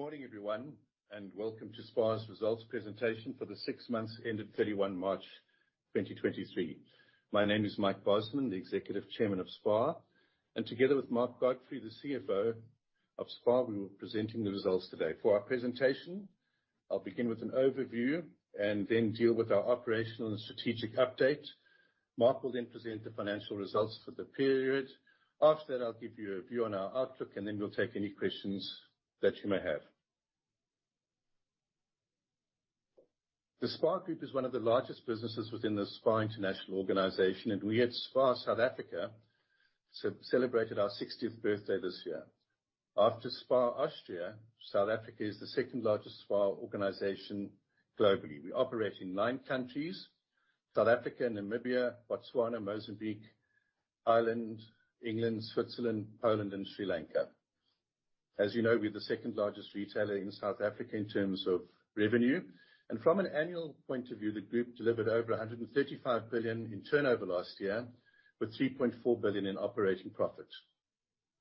Good morning, everyone, and welcome to SPAR's results presentation for the six months ended 31 March 2023. My name is Mike Bosman, the Executive Chairman of SPAR, and together with Mark Godfrey, the CFO of SPAR, we will be presenting the results today. For our presentation, I'll begin with an overview and then deal with our operational and strategic update. Mark will then present the financial results for the period. After that, I'll give you a view on our outlook, and then we'll take any questions that you may have. The SPAR Group is one of the largest businesses within the SPAR International organization, and we at SPAR South Africa celebrated our 60th birthday this year. After SPAR Austria, South Africa is the second largest SPAR organization globally. We operate in nine countries: South Africa, Namibia, Botswana, Mozambique, Ireland, England, Switzerland, Poland, and Sri Lanka. As you know, we're the second largest retailer in South Africa in terms of revenue. From an annual point of view, the group delivered over 135 billion in turnover last year, with 3.4 billion in operating profit.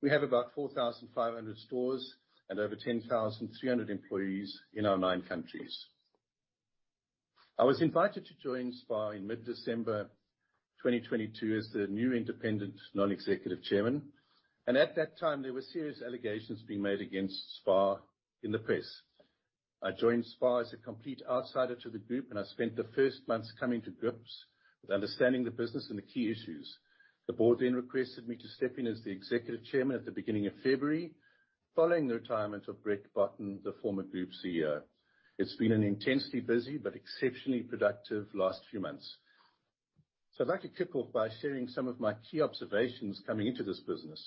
We have about 4,500 stores and over 10,300 employees in our nine countries. I was invited to join SPAR in mid-December 2022 as the new independent non-executive Chairman. At that time, there were serious allegations being made against SPAR in the press. I joined SPAR as a complete outsider to the group, and I spent the first months coming to grips with understanding the business and the key issues. The board then requested me to step in as the Executive Chairman at the beginning of February, following the retirement of Brett Botten, the former group CEO. It's been an intensely busy but exceptionally productive last few months. I’d like to kick off by sharing some of my key observations coming into this business.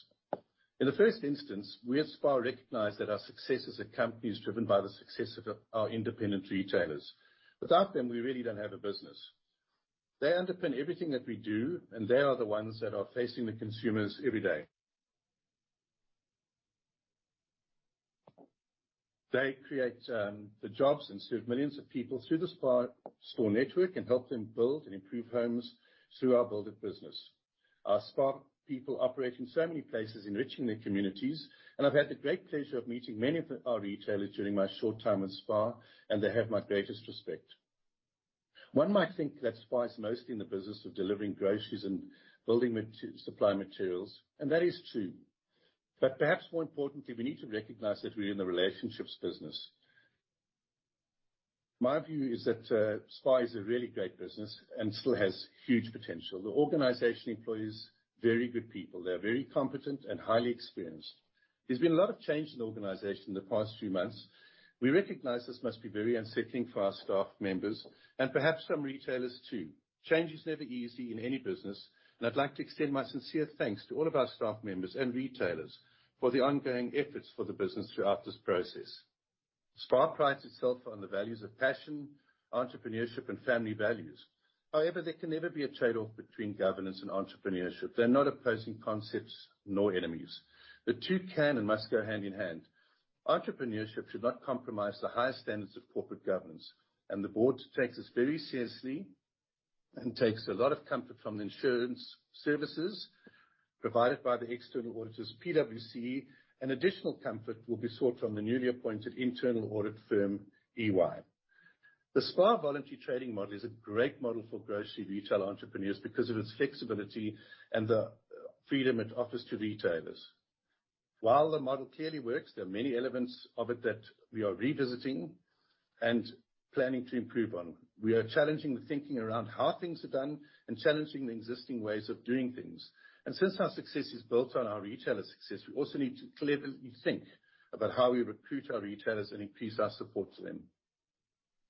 In the first instance, we at SPAR recognize that our success is a company driven by the success of our independent retailers. Without them, we really don’t have a business. They underpin everything that we do, and they are the ones that are facing the consumers every day. They create the jobs and serve millions of people through the SPAR store network and help them build and improve homes our Build It business. our SPAR people operate in so many places, enriching their communities, and I’ve had the great pleasure of meeting many of our retailers during my short time at SPAR, and they have my greatest respect. One might think that SPAR is mostly in the business of delivering groceries and building supply materials, and that is true. But perhaps more importantly, we need to recognize that we're in the relationships business. My view is that SPAR is a really great business and still has huge potential. The organization employs very good people. They're very competent and highly experienced. There's been a lot of change in the organization in the past few months. We recognize this must be very unsettling for our staff members and perhaps some retailers too. Change is never easy in any business, and I'd like to extend my sincere thanks to all of our staff members and retailers for the ongoing efforts for the business throughout this process. SPAR prides itself on the values of passion, entrepreneurship, and family values. However, there can never be a trade-off between governance and entrepreneurship. They're not opposing concepts nor enemies. The two can and must go hand in hand. Entrepreneurship should not compromise the highest standards of corporate governance. The board takes this very seriously and takes a lot of comfort from the insurance services provided by the external auditors, PwC, and additional comfort will be sought from the newly appointed internal audit firm, EY. The SPAR voluntary trading model is a great model for grocery retail entrepreneurs because of its flexibility and the freedom it offers to retailers. While the model clearly works, there are many elements of it that we are revisiting and planning to improve on. We are challenging the thinking around how things are done and challenging the existing ways of doing things. Since our success is built on our retailer success, we also need to cleverly think about how we recruit our retailers and increase our support to them.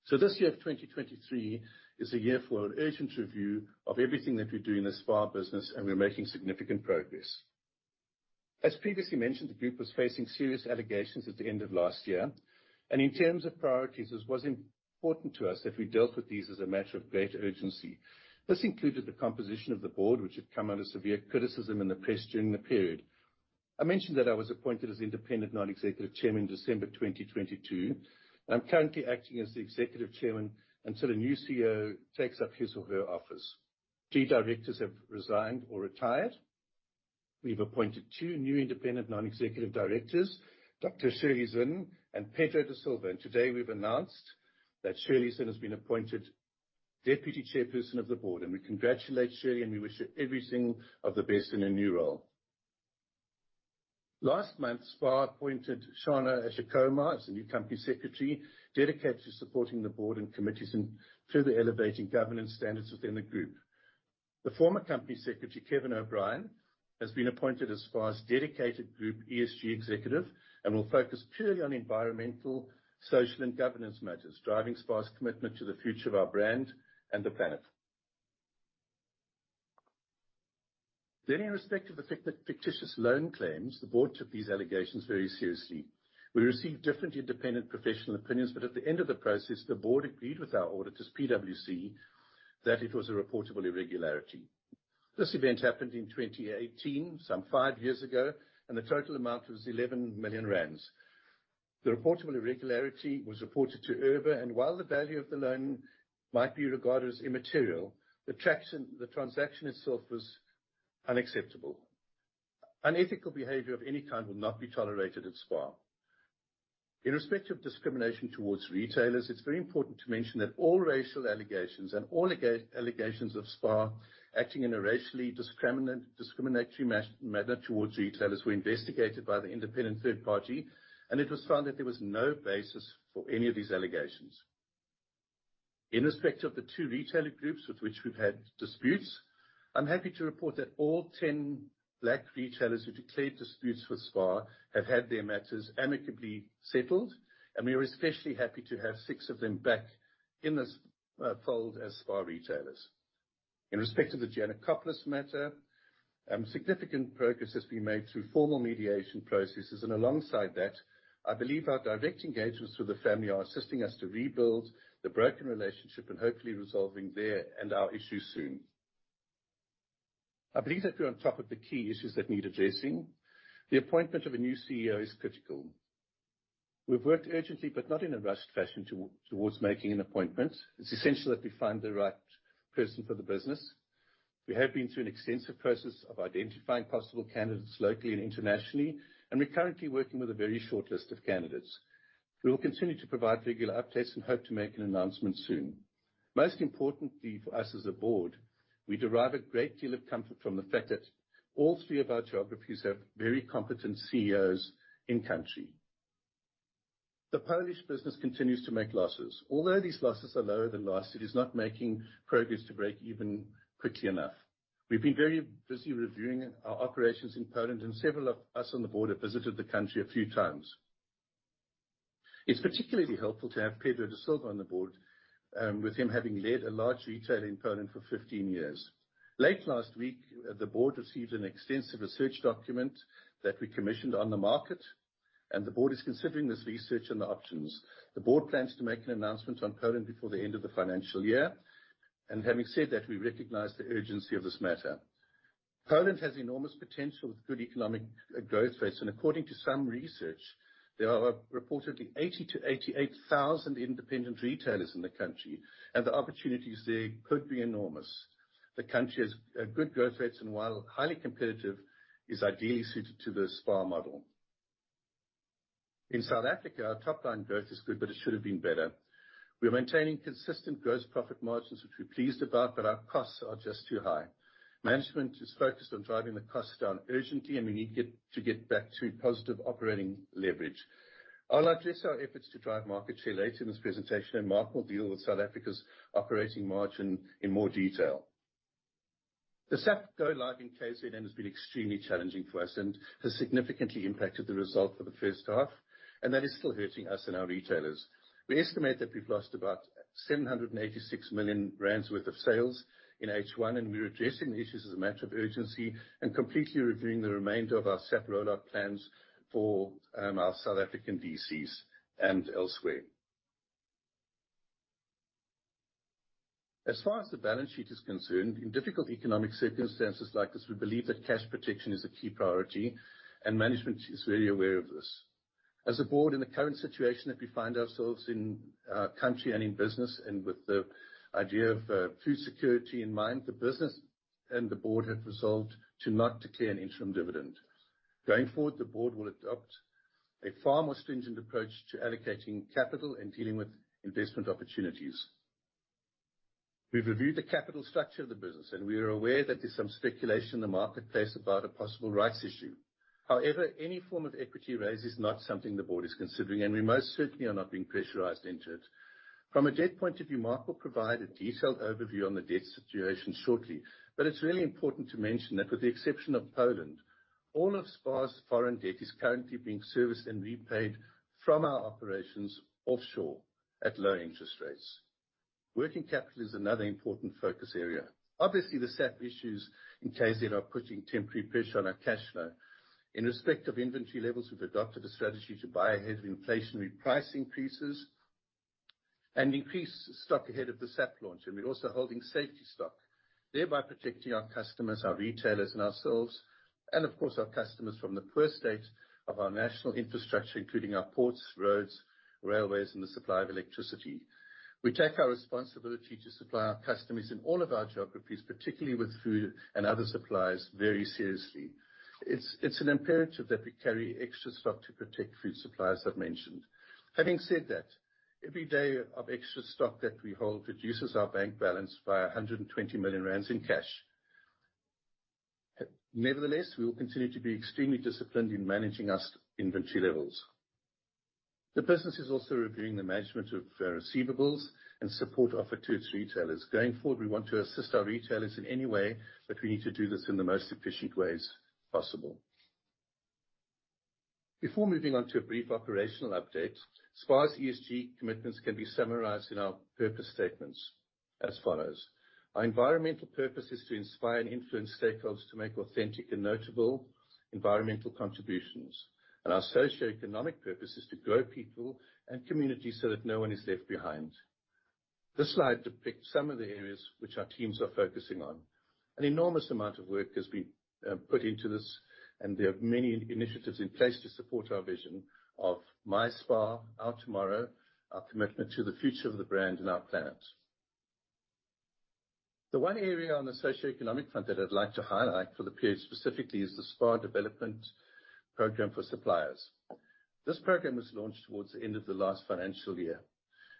So this year of 2023 is a year for an urgent review of everything that we do in the SPAR business, and we're making significant progress. As previously mentioned, the group was facing serious allegations at the end of last year. And in terms of priorities, it was important to us that we dealt with these as a matter of great urgency. This included the composition of the board, which had come under severe criticism in the press during the period. I mentioned that I was appointed as Independent Non-Executive Chairman in December 2022, and I'm currently acting as the Executive Chairman until a new CEO takes up his or her office. Three directors have resigned or retired. We've appointed two new independent non-executive directors, Dr. Shirley Zinn and Pedro da Silva. And today we've announced that Shirley Zinn has been appointed Deputy Chairperson of the board. We congratulate Shirley, and we wish her everything of the best in her new role. Last month, SPAR appointed Shana Ashokumar as a new Company Secretary dedicated to supporting the board and committees and further elevating governance standards within the group. The former Company Secretary, Kevin O'Brien, has been appointed as SPAR's dedicated Group ESG Executive and will focus purely on environmental, social, and governance matters, driving SPAR's commitment to the future of our brand and the planet. In respect of the fictitious loan claims, the board took these allegations very seriously. We received different independent professional opinions, but at the end of the process, the board agreed with our auditors, PwC, that it was a reportable irregularity. This event happened in 2018, some five years ago, and the total amount was 11 million rand. The reportable irregularity was reported to IRBA, and while the value of the loan might be regarded as immaterial, the transaction itself was unacceptable. Unethical behavior of any kind will not be tolerated at SPAR. In respect of discrimination towards retailers, it's very important to mention that all racial allegations and all allegations of SPAR acting in a racially discriminatory manner towards retailers were investigated by the independent third party, and it was found that there was no basis for any of these allegations. In respect of the two retailer groups with which we've had disputes, I'm happy to report that all 10 Black retailers who declared disputes with SPAR have had their matters amicably settled, and we are especially happy to have six of them back in this fold as SPAR retailers. In respect of the Giannacopoulos matter, significant progress has been made through formal mediation processes, and alongside that, I believe our direct engagements with the family are assisting us to rebuild the broken relationship and hopefully resolving their and our issues soon. I believe that we're on top of the key issues that need addressing. The appointment of a new CEO is critical. We've worked urgently, but not in a rushed fashion, towards making an appointment. It's essential that we find the right person for the business. We have been through an extensive process of identifying possible candidates locally and internationally, and we're currently working with a very short list of candidates. We will continue to provide regular updates and hope to make an announcement soon. Most importantly for us as a board, we derive a great deal of comfort from the fact that all three of our geographies have very competent CEOs in-country. The Polish business continues to make losses. Although these losses are lower than last, it is not making progress to break even quickly enough. We've been very busy reviewing our operations in Poland, and several of us on the board have visited the country a few times. It's particularly helpful to have Pedro da Silva on the board, with him having led a large retailer in Poland for 15 years. Late last week, the board received an extensive research document that we commissioned on the market, and the board is considering this research and the options. The board plans to make an announcement on Poland before the end of the financial year, and having said that, we recognize the urgency of this matter. Poland has enormous potential with good economic growth rates, and according to some research, there are reportedly 80,000-88,000 independent retailers in the country, and the opportunities there could be enormous. The country has good growth rates, and while highly competitive, it is ideally suited to the SPAR model. In South Africa, our top-line growth is good, but it should have been better. We are maintaining consistent gross profit margins, which we're pleased about, but our costs are just too high. Management is focused on driving the costs down urgently, and we need to get back to positive operating leverage. I'll address our efforts to drive market share later in this presentation, and Mark will deal with South Africa's operating margin in more detail. The SAP Go Live in KZN has been extremely challenging for us and has significantly impacted the result for the first half, and that is still hurting us and our retailers. We estimate that we've lost about 786 million rand worth of sales in H1, and we're addressing the issues as a matter of urgency and completely reviewing the remainder of our SAP rollout plans for our South African DCs and elsewhere. As far as the balance sheet is concerned, in difficult economic circumstances like this, we believe that cash protection is a key priority, and management is very aware of this. As a board, in the current situation that we find ourselves in, our country and in business, and with the idea of food security in mind, the business and the board have resolved to not declare an interim dividend. Going forward, the board will adopt a far more stringent approach to allocating capital and dealing with investment opportunities. We've reviewed the capital structure of the business, and we are aware that there's some speculation in the marketplace about a possible rights issue. However, any form of equity raise is not something the board is considering, and we most certainly are not being pressurized into it. From a debt point of view, Mark will provide a detailed overview on the debt situation shortly, but it's really important to mention that with the exception of Poland, all of SPAR's foreign debt is currently being serviced and repaid from our operations offshore at low interest rates. Working capital is another important focus area. Obviously, the SAP issues in KZN are putting temporary pressure on our cash flow. In respect of inventory levels, we've adopted a strategy to buy ahead of inflationary price increases and increase stock ahead of the SAP launch, and we're also holding safety stock, thereby protecting our customers, our retailers, and ourselves, and of course, our customers from the first date of our national infrastructure, including our ports, roads, railways, and the supply of electricity. We take our responsibility to supply our customers in all of our geographies, particularly with food and other suppliers, very seriously. It's an imperative that we carry extra stock to protect food supplies, I've mentioned. Having said that, every day of extra stock that we hold reduces our bank balance by 120 million rand in cash. Nevertheless, we will continue to be extremely disciplined in managing our inventory levels. The business is also reviewing the management of receivables and support offered to its retailers. Going forward, we want to assist our retailers in any way, but we need to do this in the most efficient ways possible. Before moving on to a brief operational update, SPAR's ESG commitments can be summarized in our purpose statements as follows. Our environmental purpose is to inspire and influence stakeholders to make authentic and notable environmental contributions, and our socioeconomic purpose is to grow people and communities so that no one is left behind. This slide depicts some of the areas which our teams are focusing on. An enormous amount of work has been put into this, and there are many initiatives in place to support our vision of My SPAR, Our Tomorrow, our commitment to the future of the brand and our planet. The one area on the socioeconomic front that I'd like to highlight for the period specifically is the SPAR development program for suppliers. This program was launched toward the end of the last financial year,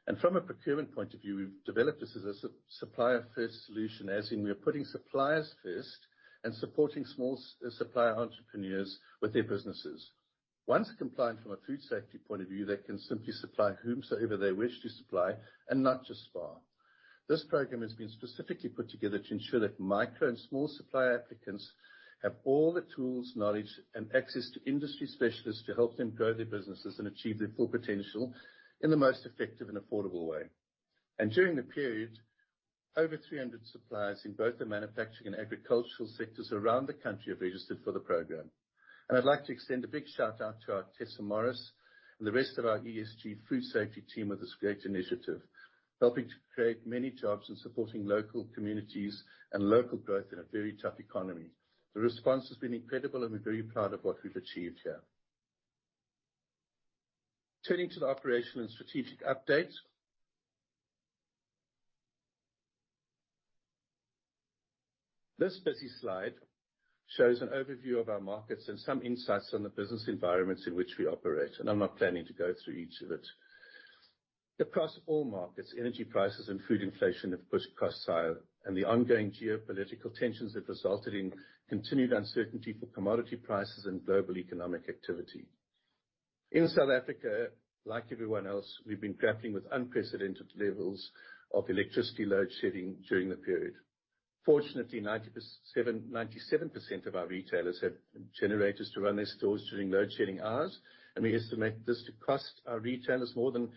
and from a procurement point of view, we've developed this as a supplier-first solution, as in we're putting suppliers first and supporting small supplier entrepreneurs with their businesses. Once compliant from a food safety point of view, they can simply supply whomsoever they wish to supply and not just SPAR. This program has been specifically put together to ensure that micro and small supplier applicants have all the tools, knowledge, and access to industry specialists to help them grow their businesses and achieve their full potential in the most effective and affordable way, and during the period, over 300 suppliers in both the manufacturing and agricultural sectors around the country have registered for the program. I'd like to extend a big shout-out to our Tessa Morris and the rest of our ESG food safety team with this great initiative, helping to create many jobs and supporting local communities and local growth in a very tough economy. The response has been incredible, and we're very proud of what we've achieved here. Turning to the operational and strategic update, this busy slide shows an overview of our markets and some insights on the business environments in which we operate, and I'm not planning to go through each of it. Across all markets, energy prices and food inflation have pushed costs higher, and the ongoing geopolitical tensions have resulted in continued uncertainty for commodity prices and global economic activity. In South Africa, like everyone else, we've been grappling with unprecedented levels of electricity load-shedding during the period. Fortunately, 97% of our retailers have generators to run their stores during load-shedding hours, and we estimate this to cost our retailers more than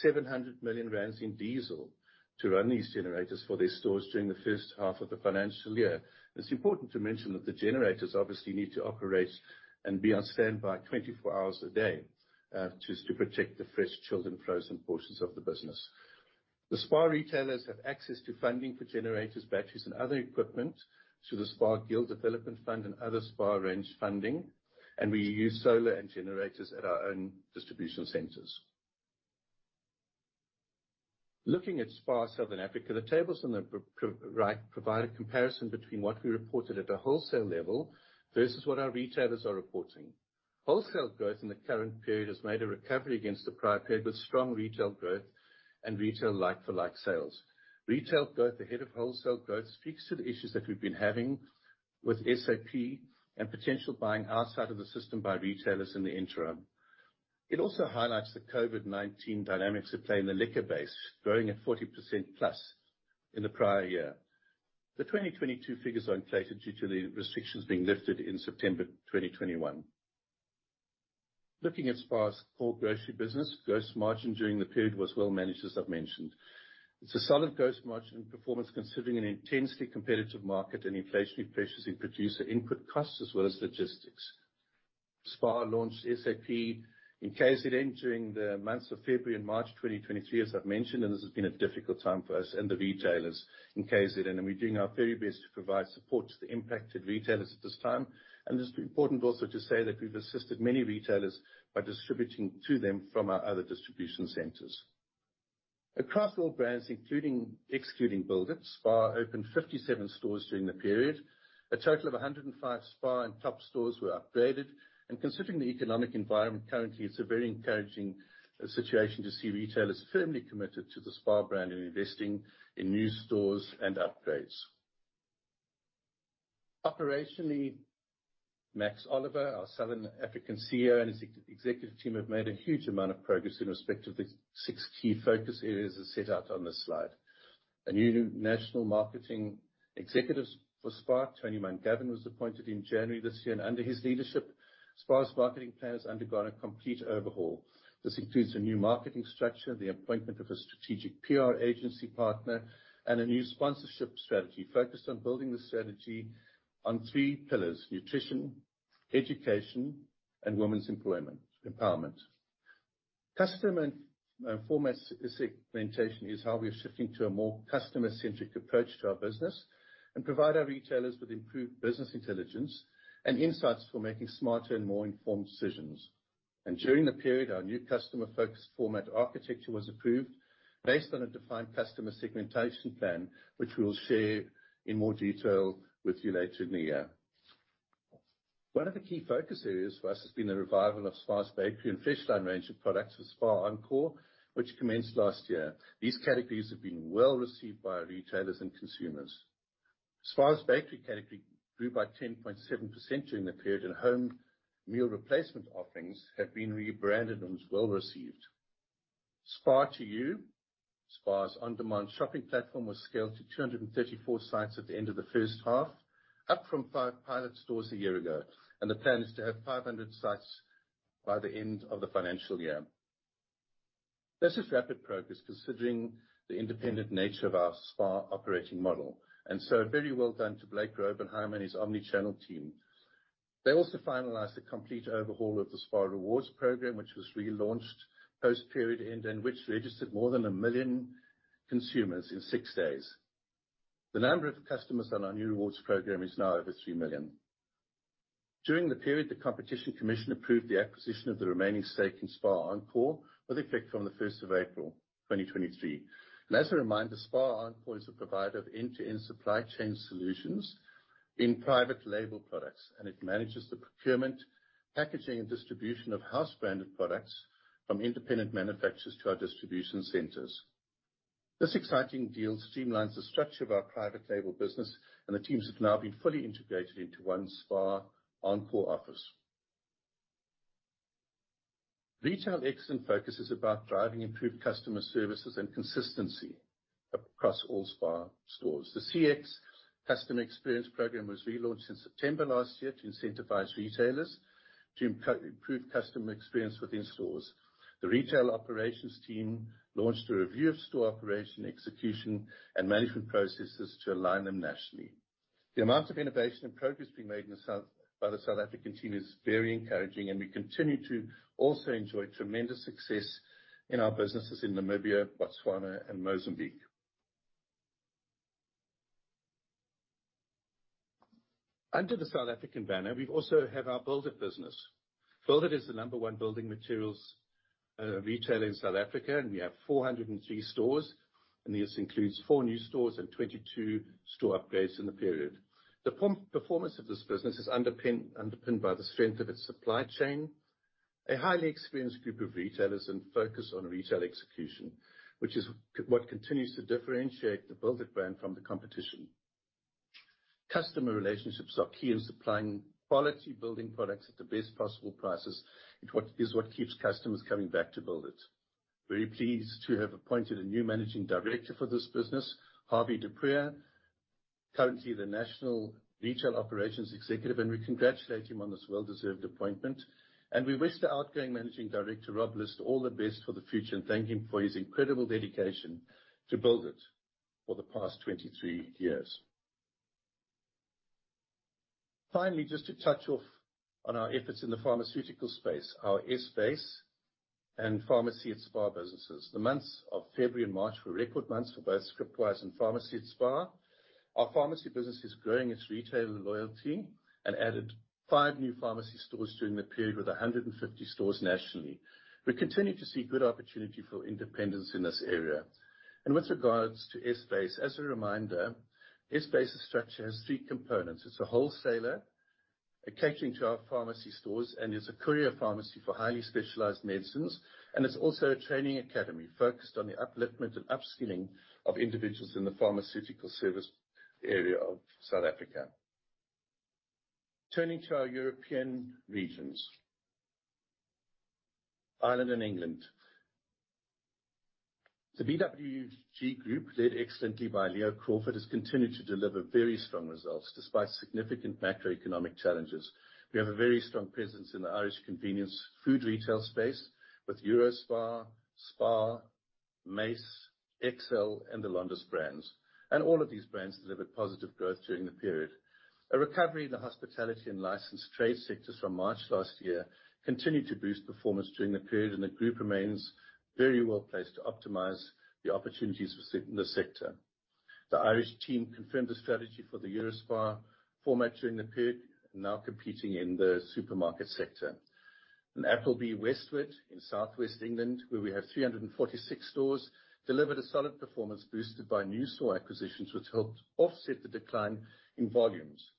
700 million rand in diesel to run these generators for their stores during the first half of the financial year. It's important to mention that the generators obviously need to operate and be on standby 24 hours a day to protect the fresh, chilled, and frozen portions of the business. The SPAR retailers have access to funding for generators, batteries, and other equipment through the SPAR Guild Development Fund and other SPAR arranged funding, and we use solar and generators at our own distribution centers. Looking at SPAR Southern Africa, the tables on the right provide a comparison between what we reported at a wholesale level versus what our retailers are reporting. Wholesale growth in the current period has made a recovery against the prior period with strong retail growth and retail like-for-like sales. Retail growth ahead of wholesale growth speaks to the issues that we've been having with SAP and potential buying outside of the system by retailers in the interim. It also highlights the COVID-19 dynamics at play in the liquor base, growing at 40% plus in the prior year. The 2022 figures are inflated due to the restrictions being lifted in SAPtember 2021. Looking at SPAR's core grocery business, gross margin during the period was well managed, as I've mentioned. It's a solid gross margin performance considering an intensely competitive market and inflationary pressures in producer input costs as well as logistics. SPAR launched SAP in KZN during the months of February and March 2023, as I've mentioned, and this has been a difficult time for us and the retailers in KZN, and we're doing our very best to provide support to the impacted retailers at this time. It's important also to say that we've assisted many retailers by distributing to them from our other distribution centers. Across all brands, including, excluding Build It, SPAR opened 57 stores during the period. A total of 105 SPAR and TOPS stores were upgraded, and considering the economic environment currently, it's a very encouraging situation to see retailers firmly committed to the SPAR brand and investing in new stores and upgrades. Operationally, Max Oliva, our Southern African CEO, and his executive team have made a huge amount of progress in respect of the six key focus areas as set out on this slide. A new national marketing executive for SPAR, Tony Mun-Gavin, was appointed in January this year, and under his leadership, SPAR's marketing plan has undergone a complete overhaul. This includes a new marketing structure, the appointment of a strategic PR agency partner, and a new sponsorship strategy focused on building the strategy on three pillars: nutrition, education, and women's employment empowerment. Customer and format segmentation is how we are shifting to a more customer-centric approach to our business and provide our retailers with improved business intelligence and insights for making smarter and more informed decisions. During the period, our new customer-focused format architecture was approved based on a defined customer segmentation plan, which we will share in more detail with you later in the year. One of the key focus areas for us has been the revival of SPAR's bakery and fish line range of products with SPAR Encore, which commenced last year. These categories have been well received by our retailers and consumers. SPAR's bakery category grew by 10.7% during the period, and home meal replacement offerings have been rebranded and were well received. SPAR2U, SPAR's on-demand shopping platform, was scaled to 234 sites at the end of the first half, up from five pilot stores a year ago, and the plan is to have 500 sites by the end of the financial year. There's this rapid progress considering the independent nature of our SPAR operating model, and so very well done to Blake Raubenheimer and his omnichannel team. They also finalized the complete overhaul of the SPAR Rewards program, which was relaunched post-period end, and which registered more than a million consumers in six days. The number of customers on our new rewards program is now over three million. During the period, the Competition Commission approved the acquisition of the remaining stake in SPAR Encore with effect from the 1st of April 2023, and as a reminder, SPAR Encore is a provider of end-to-end supply chain solutions in private label products, and it manages the procurement, packaging, and distribution of house-branded products from independent manufacturers to our distribution centers. This exciting deal streamlines the structure of our private label business, and the teams have now been fully integrated into one SPAR Encore office. Retail excellence focus is about driving improved customer services and consistency across all SPAR stores. The CX customer experience program was relaunched in SAPtember last year to incentivize retailers to improve customer experience within stores. The retail operations team launched a review of store operation, execution, and management processes to align them nationally. The amount of innovation and progress being made by the South African team is very encouraging, and we continue to also enjoy tremendous success in our businesses in Namibia, Botswana, and Mozambique. Under the South African banner, we also have our built business. build It is the number one building materials retailer in South Africa, and we have 403 stores, and this includes four new stores and 22 store upgrades in the period. The performance of this business is underpinned by the strength of its supply chain, a highly experienced group of retailers, and focus on retail execution, which is what continues to differentiate the Build It brand from the competition. Customer relationships are key in supplying quality building products at the best possible prices. It is what keeps customers coming back to Build It. We're pleased to have appointed a new managing director for this business, Mark De Pyper, currently the national retail operations executive, and we congratulate him on this well-deserved appointment, and we wish the outgoing managing director, Rob Lister, all the best for the future and thank him for his incredible dedication to Build It for the past 23 years. Finally, just to touch on our efforts in the pharmaceutical space, our S Buys and Pharmacy at SPAR businesses. The months of February and March were record months for both Scriptwise and Pharmacy at SPAR. Our pharmacy business is growing its retailer loyalty and added five new pharmacy stores during the period with 150 stores nationally. We continue to see good opportunity for independents in this area. And with regards to, as a reminder, structure has three components. It's a wholesaler, catering to our pharmacy stores, and it's a courier pharmacy for highly specialized medicines. And it's also a training academy focused on the upliftment and upskilling of individuals in the pharmaceutical service area of South Africa. Turning to our European regions, Ireland and England. The BWG Group, led excellently by Leo Crawford, has continued to deliver very strong results despite significant macroeconomic challenges. We have a very strong presence in the Irish convenience food retail space with EUROSPAR, SPAR, Mace, XL, and the Londis brands. And all of these brands delivered positive growth during the period. A recovery in the hospitality and licensed trade sectors from March last year continued to boost performance during the period, and the group remains very well placed to optimize the opportunities in the sector. The Irish team confirmed the strategy for the EUROSPAR format during the period, now competing in the supermarket sector, and Appleby Westwood in southwest England, where we have 346 stores, delivered a solid performance boosted by new store acquisitions, which helped offset the decline in volumes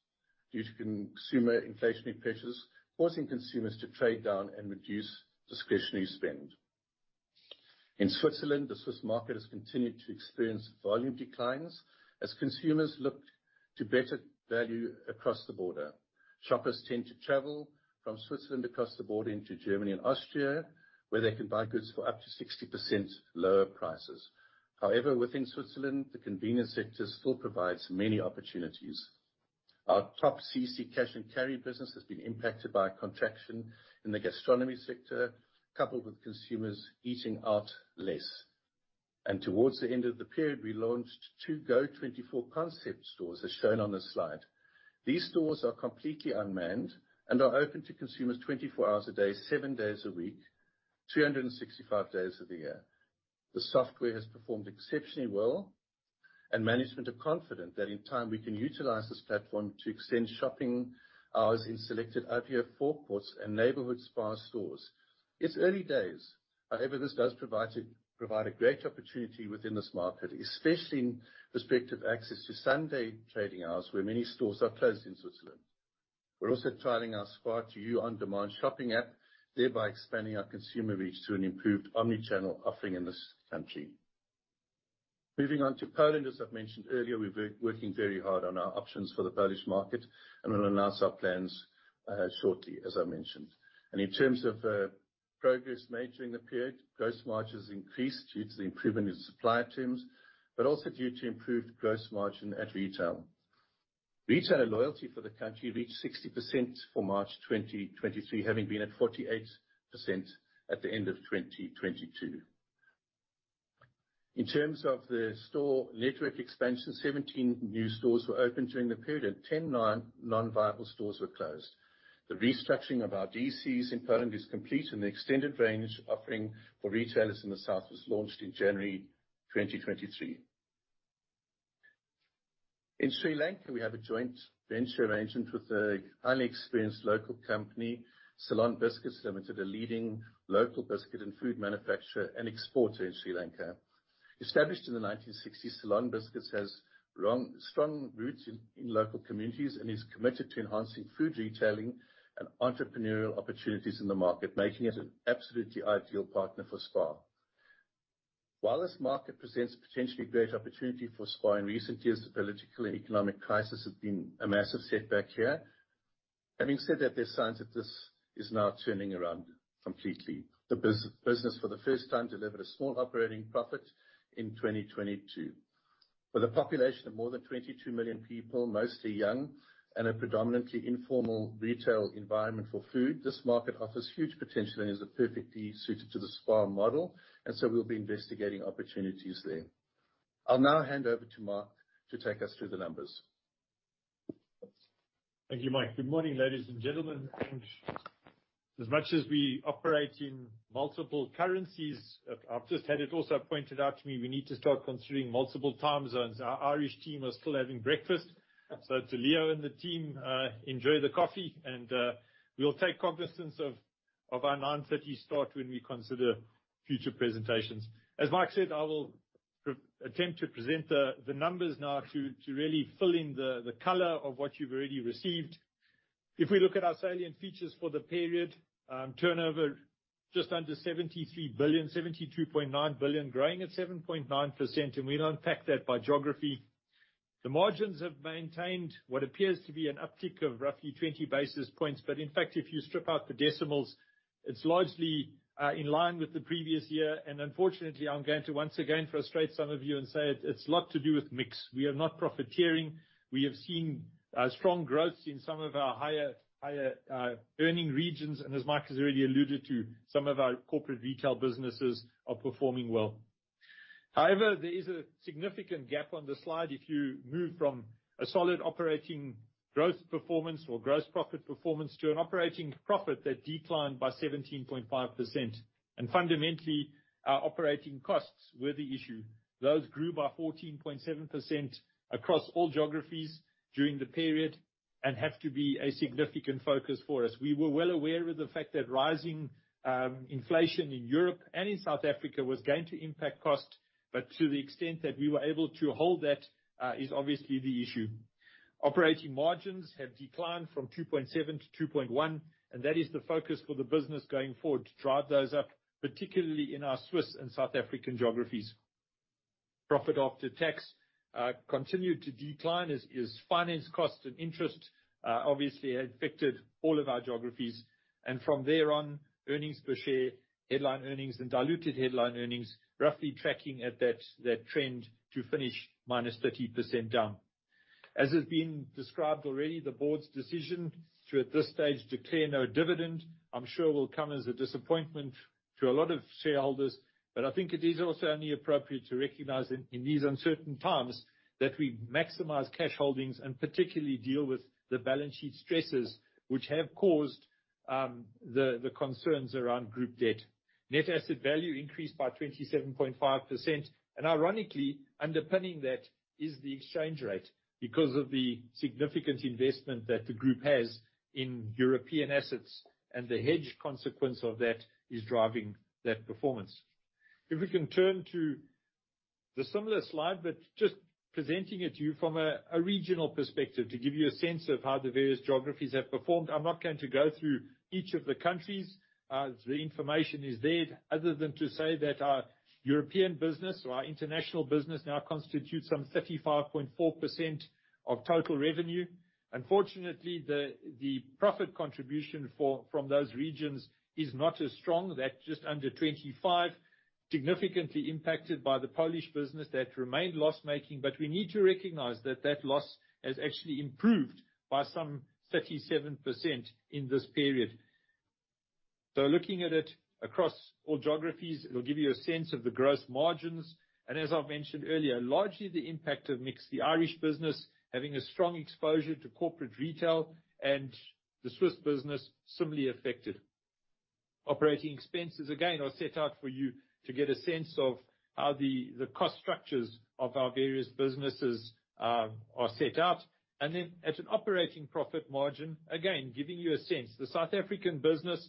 due to consumer inflationary pressures, causing consumers to trade down and reduce discretionary spend. In Switzerland, the Swiss market has continued to experience volume declines as consumers look to better value across the border. Shoppers tend to travel from Switzerland across the border into Germany and Austria, where they can buy goods for up to 60% lower prices. However, within Switzerland, the convenience sector still provides many opportunities. Our TopCC cash and carry business has been impacted by a contraction in the gastronomy sector, coupled with consumers eating out less. Towards the end of the period, we launched two GO24 concept stores, as shown on the slide. These stores are completely unmanned and are open to consumers 24 hours a day, seven days a week, 365 days of the year. The software has performed exceptionally well, and management are confident that in time we can utilize this platform to extend shopping hours in selected EUROSPAR stores and neighborhood SPAR stores. It's early days. However, this does provide a great opportunity within this market, especially in respect of access to Sunday trading hours, where many stores are closed in Switzerland. We're also trialing our SPAR2U on-demand shopping app, thereby expanding our consumer reach to an improved omnichannel offering in this country. Moving on to Poland, as I've mentioned earlier, we're working very hard on our options for the Polish market and will announce our plans shortly, as I mentioned, and in terms of progress made during the period, gross margins increased due to the improvement in supply terms, but also due to improved gross margin at retail. Retailer loyalty for the country reached 60% for March 2023, having been at 48% at the end of 2022. In terms of the store network expansion, 17 new stores were opened during the period, and 10 non-viable stores were closed. The restructuring of our DCs in Poland is complete, and the extended range offering for retailers in the south was launched in January 2023. In Sri Lanka, we have a joint venture arrangement with the highly experienced local company Ceylon Biscuits Limited, a leading local biscuit and food manufacturer and exporter in Sri Lanka. Established in the 1960s, Ceylon Biscuits has strong roots in local communities and is committed to enhancing food retailing and entrepreneurial opportunities in the market, making it an absolutely ideal partner for SPAR. While this market presents potentially great opportunity for SPAR in recent years, the political and economic crisis has been a massive setback here. Having said that, there are signs that this is now turning around completely. The business, for the first time, delivered a small operating profit in 2022. With a population of more than 22 million people, mostly young and a predominantly informal retail environment for food, this market offers huge potential and is perfectly suited to the SPAR model, and so we'll be investigating opportunities there. I'll now hand over to Mark to take us through the numbers. Thank you, Mike. Good morning, ladies and gentlemen. As much as we operate in multiple currencies, I've just had it also pointed out to me, we need to start considering multiple time zones. Our Irish team are still having breakfast, so to Leo and the team, enjoy the coffee, and we'll take cognizance of our 9:30 A.M. start when we consider future presentations. As Mark said, I will attempt to present the numbers now to really fill in the color of what you've already received. If we look at our salient features for the period, turnover just under 73 billion, 72.9 billion, growing at 7.9%, and we'll unpack that by geography. The margins have maintained what appears to be an uptick of roughly 20 basis points, but in fact, if you strip out the decimals, it's largely in line with the previous year. Unfortunately, I'm going to once again frustrate some of you and say it's a lot to do with mix. We are not profiteering. We have seen strong growth in some of our higher earning regions, and as Mark has already alluded to, some of our corporate retail businesses are performing well. However, there is a significant gap on the slide. If you move from a solid operating growth performance or gross profit performance to an operating profit that declined by 17.5%, and fundamentally, our operating costs were the issue. Those grew by 14.7% across all geographies during the period and have to be a significant focus for us. We were well aware of the fact that rising inflation in Europe and in South Africa was going to impact costs, but to the extent that we were able to hold that is obviously the issue. Operating margins have declined from 2.7%-2.1%, and that is the focus for the business going forward to drive those up, particularly in our Swiss and South African geographies. Profit after tax continued to decline, as finance costs and interest obviously had affected all of our geographies. And from there on, earnings per share, headline earnings, and diluted headline earnings roughly tracking at that trend to finish minus 30% down. As has been described already, the board's decision to, at this stage, declare no dividend, I'm sure will come as a disappointment to a lot of shareholders, but I think it is also only appropriate to recognize in these uncertain times that we maximize cash holdings and particularly deal with the balance sheet stresses, which have caused the concerns around group debt. Net asset value increased by 27.5%, and ironically, underpinning that is the exchange rate because of the significant investment that the group has in European assets, and the hedge consequence of that is driving that performance. If we can turn to the similar slide, but just presenting it to you from a regional perspective to give you a sense of how the various geographies have performed, I'm not going to go through each of the countries. The information is there, other than to say that our European business or our international business now constitutes some 35.4% of total revenue. Unfortunately, the profit contribution from those regions is not as strong. That's just under 25, significantly impacted by the Polish business that remained loss-making, but we need to recognize that that loss has actually improved by some 37% in this period. So looking at it across all geographies, it'll give you a sense of the gross margins. And as I've mentioned earlier, largely the impact of mix, the Irish business having a strong exposure to corporate retail and the Swiss business similarly affected. Operating expenses, again, are set out for you to get a sense of how the cost structures of our various businesses are set out. And then at an operating profit margin, again, giving you a sense. The South African business,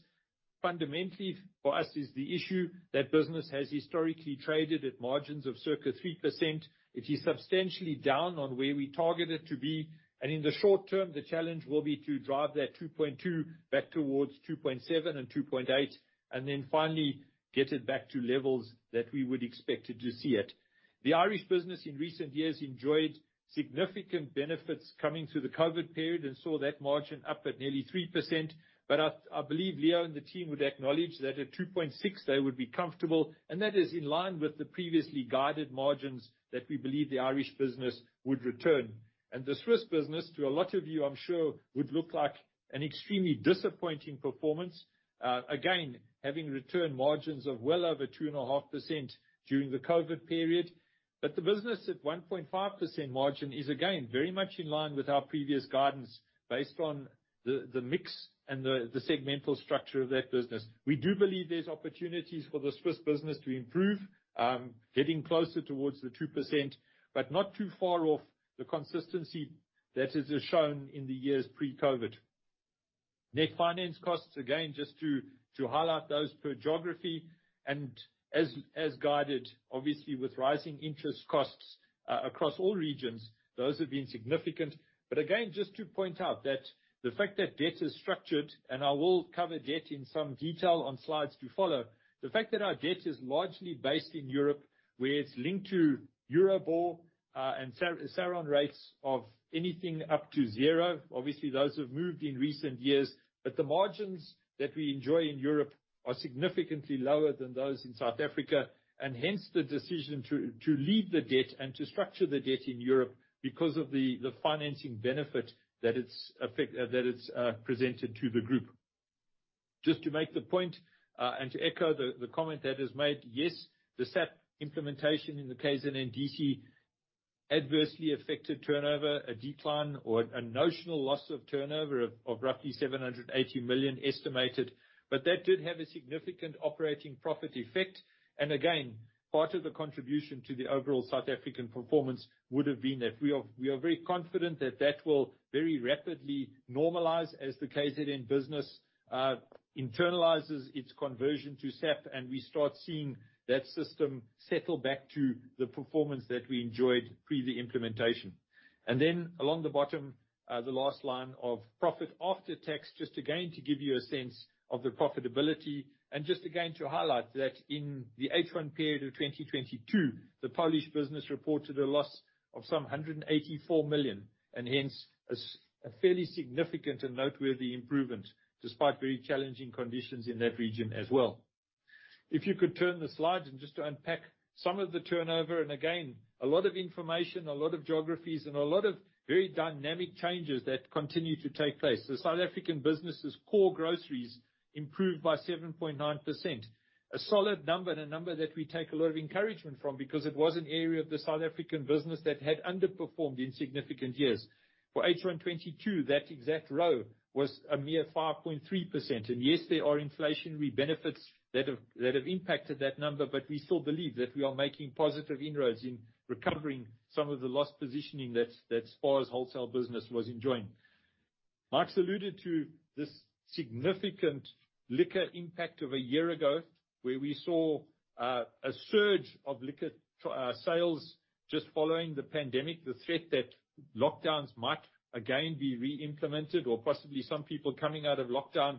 fundamentally for us, is the issue. That business has historically traded at margins of circa 3%. It is substantially down on where we target it to be. And in the short term, the challenge will be to drive that 2.2% back towards 2.7% and 2.8%, and then finally get it back to levels that we would expect to see it. The Irish business in recent years enjoyed significant benefits coming through the COVID period and saw that margin up at nearly 3%. But I believe Leo and the team would acknowledge that at 2.6%, they would be comfortable, and that is in line with the previously guided margins that we believe the Irish business would return. And the Swiss business, to a lot of you, I'm sure, would look like an extremely disappointing performance, again, having returned margins of well over 2.5% during the COVID period. But the business at 1.5% margin is, again, very much in line with our previous guidance based on the mix and the segmental structure of that business. We do believe there's opportunities for the Swiss business to improve, getting closer towards the 2%, but not too far off the consistency that has shown in the years pre-COVID. Net finance costs, again, just to highlight those per geography. And as guided, obviously, with rising interest costs across all regions, those have been significant. But again, just to point out that the fact that debt is structured, and I will cover debt in some detail on slides to follow, the fact that our debt is largely based in Europe, where it's linked to Euribor and SARON rates of anything up to zero. Obviously, those have moved in recent years, but the margins that we enjoy in Europe are significantly lower than those in South Africa, and hence the decision to leave the debt and to structure the debt in Europe because of the financing benefit that it's presented to the group. Just to make the point and to echo the comment that is made, yes, the SAP implementation in the KZNDC adversely affected turnover, a decline or a notional loss of turnover of roughly 780 million estimated, but that did have a significant operating profit effect. And again, part of the contribution to the overall South African performance would have been that we are very confident that that will very rapidly normalize as the KZN business internalizes its conversion to SAP, and we start seeing that system settle back to the performance that we enjoyed pre the implementation. And then along the bottom, the last line of profit after tax, just again to give you a sense of the profitability, and just again to highlight that in the H1 period of 2022, the Polish business reported a loss of some 184 million, and hence a fairly significant and noteworthy improvement despite very challenging conditions in that region as well. If you could turn the slides and just to unpack some of the turnover, and again, a lot of information, a lot of geographies, and a lot of very dynamic changes that continue to take place. The South African business's core groceries improved by 7.9%, a solid number and a number that we take a lot of encouragement from because it was an area of the South African business that had underperformed in significant years. For H1 2022, that exact row was a mere 5.3%. Yes, there are inflationary benefits that have impacted that number, but we still believe that we are making positive inroads in recovering some of the lost positioning that SPAR's wholesale business was enjoying. Mark's alluded to this significant liquor impact of a year ago, where we saw a surge of liquor sales just following the pandemic, the threat that lockdowns might again be re-implemented or possibly some people coming out of lockdown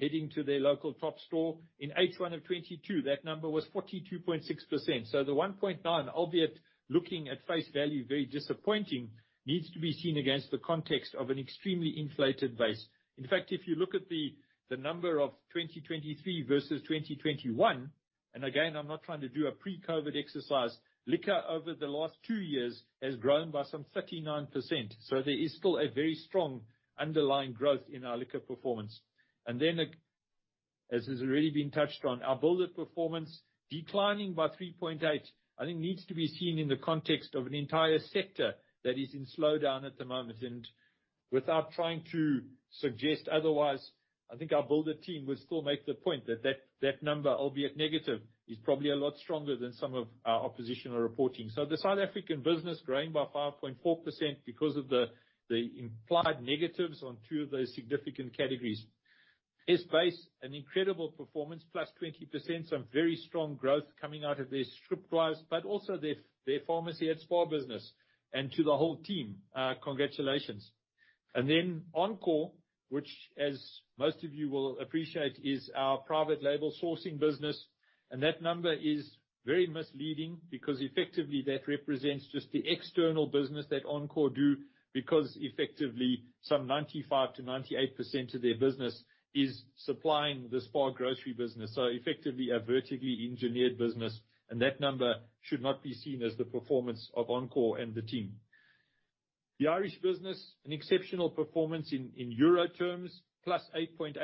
heading to their local TOPS store. In H1 of 2022, that number was 42.6%. So the 1.9, albeit looking at face value very disappointing, needs to be seen against the context of an extremely inflated base. In fact, if you look at the number of 2023 versus 2021, and again, I'm not trying to do a pre-COVID exercise, liquor over the last two years has grown by some 39%. So there is still a very strong underlying growth in our liquor performance. And then, as has already been touched on, our Build It performance declining by 3.8%, I think needs to be seen in the context of an entire sector that is in slowdown at the moment. And without trying to suggest otherwise, I think our Build It team would still make the point that that number, albeit negative, is probably a lot stronger than some of our opposition's reporting. So the South African business growing by 5.4% because of the implied negatives on two of those significant categories. S Buys, an incredible performance, plus 20%, some very strong growth coming out of their strip drives, but also their pharmacy and SPAR business, and to the whole team, congratulations. And then Encore, which, as most of you will appreciate, is our private label sourcing business, and that number is very misleading because effectively that represents just the external business that Encore do because effectively some 95%-98% of their business is supplying the SPAR grocery business, so effectively a vertically engineered business, and that number should not be seen as the performance of Encore and the team. The Irish business, an exceptional performance in euro terms, plus 8.8%,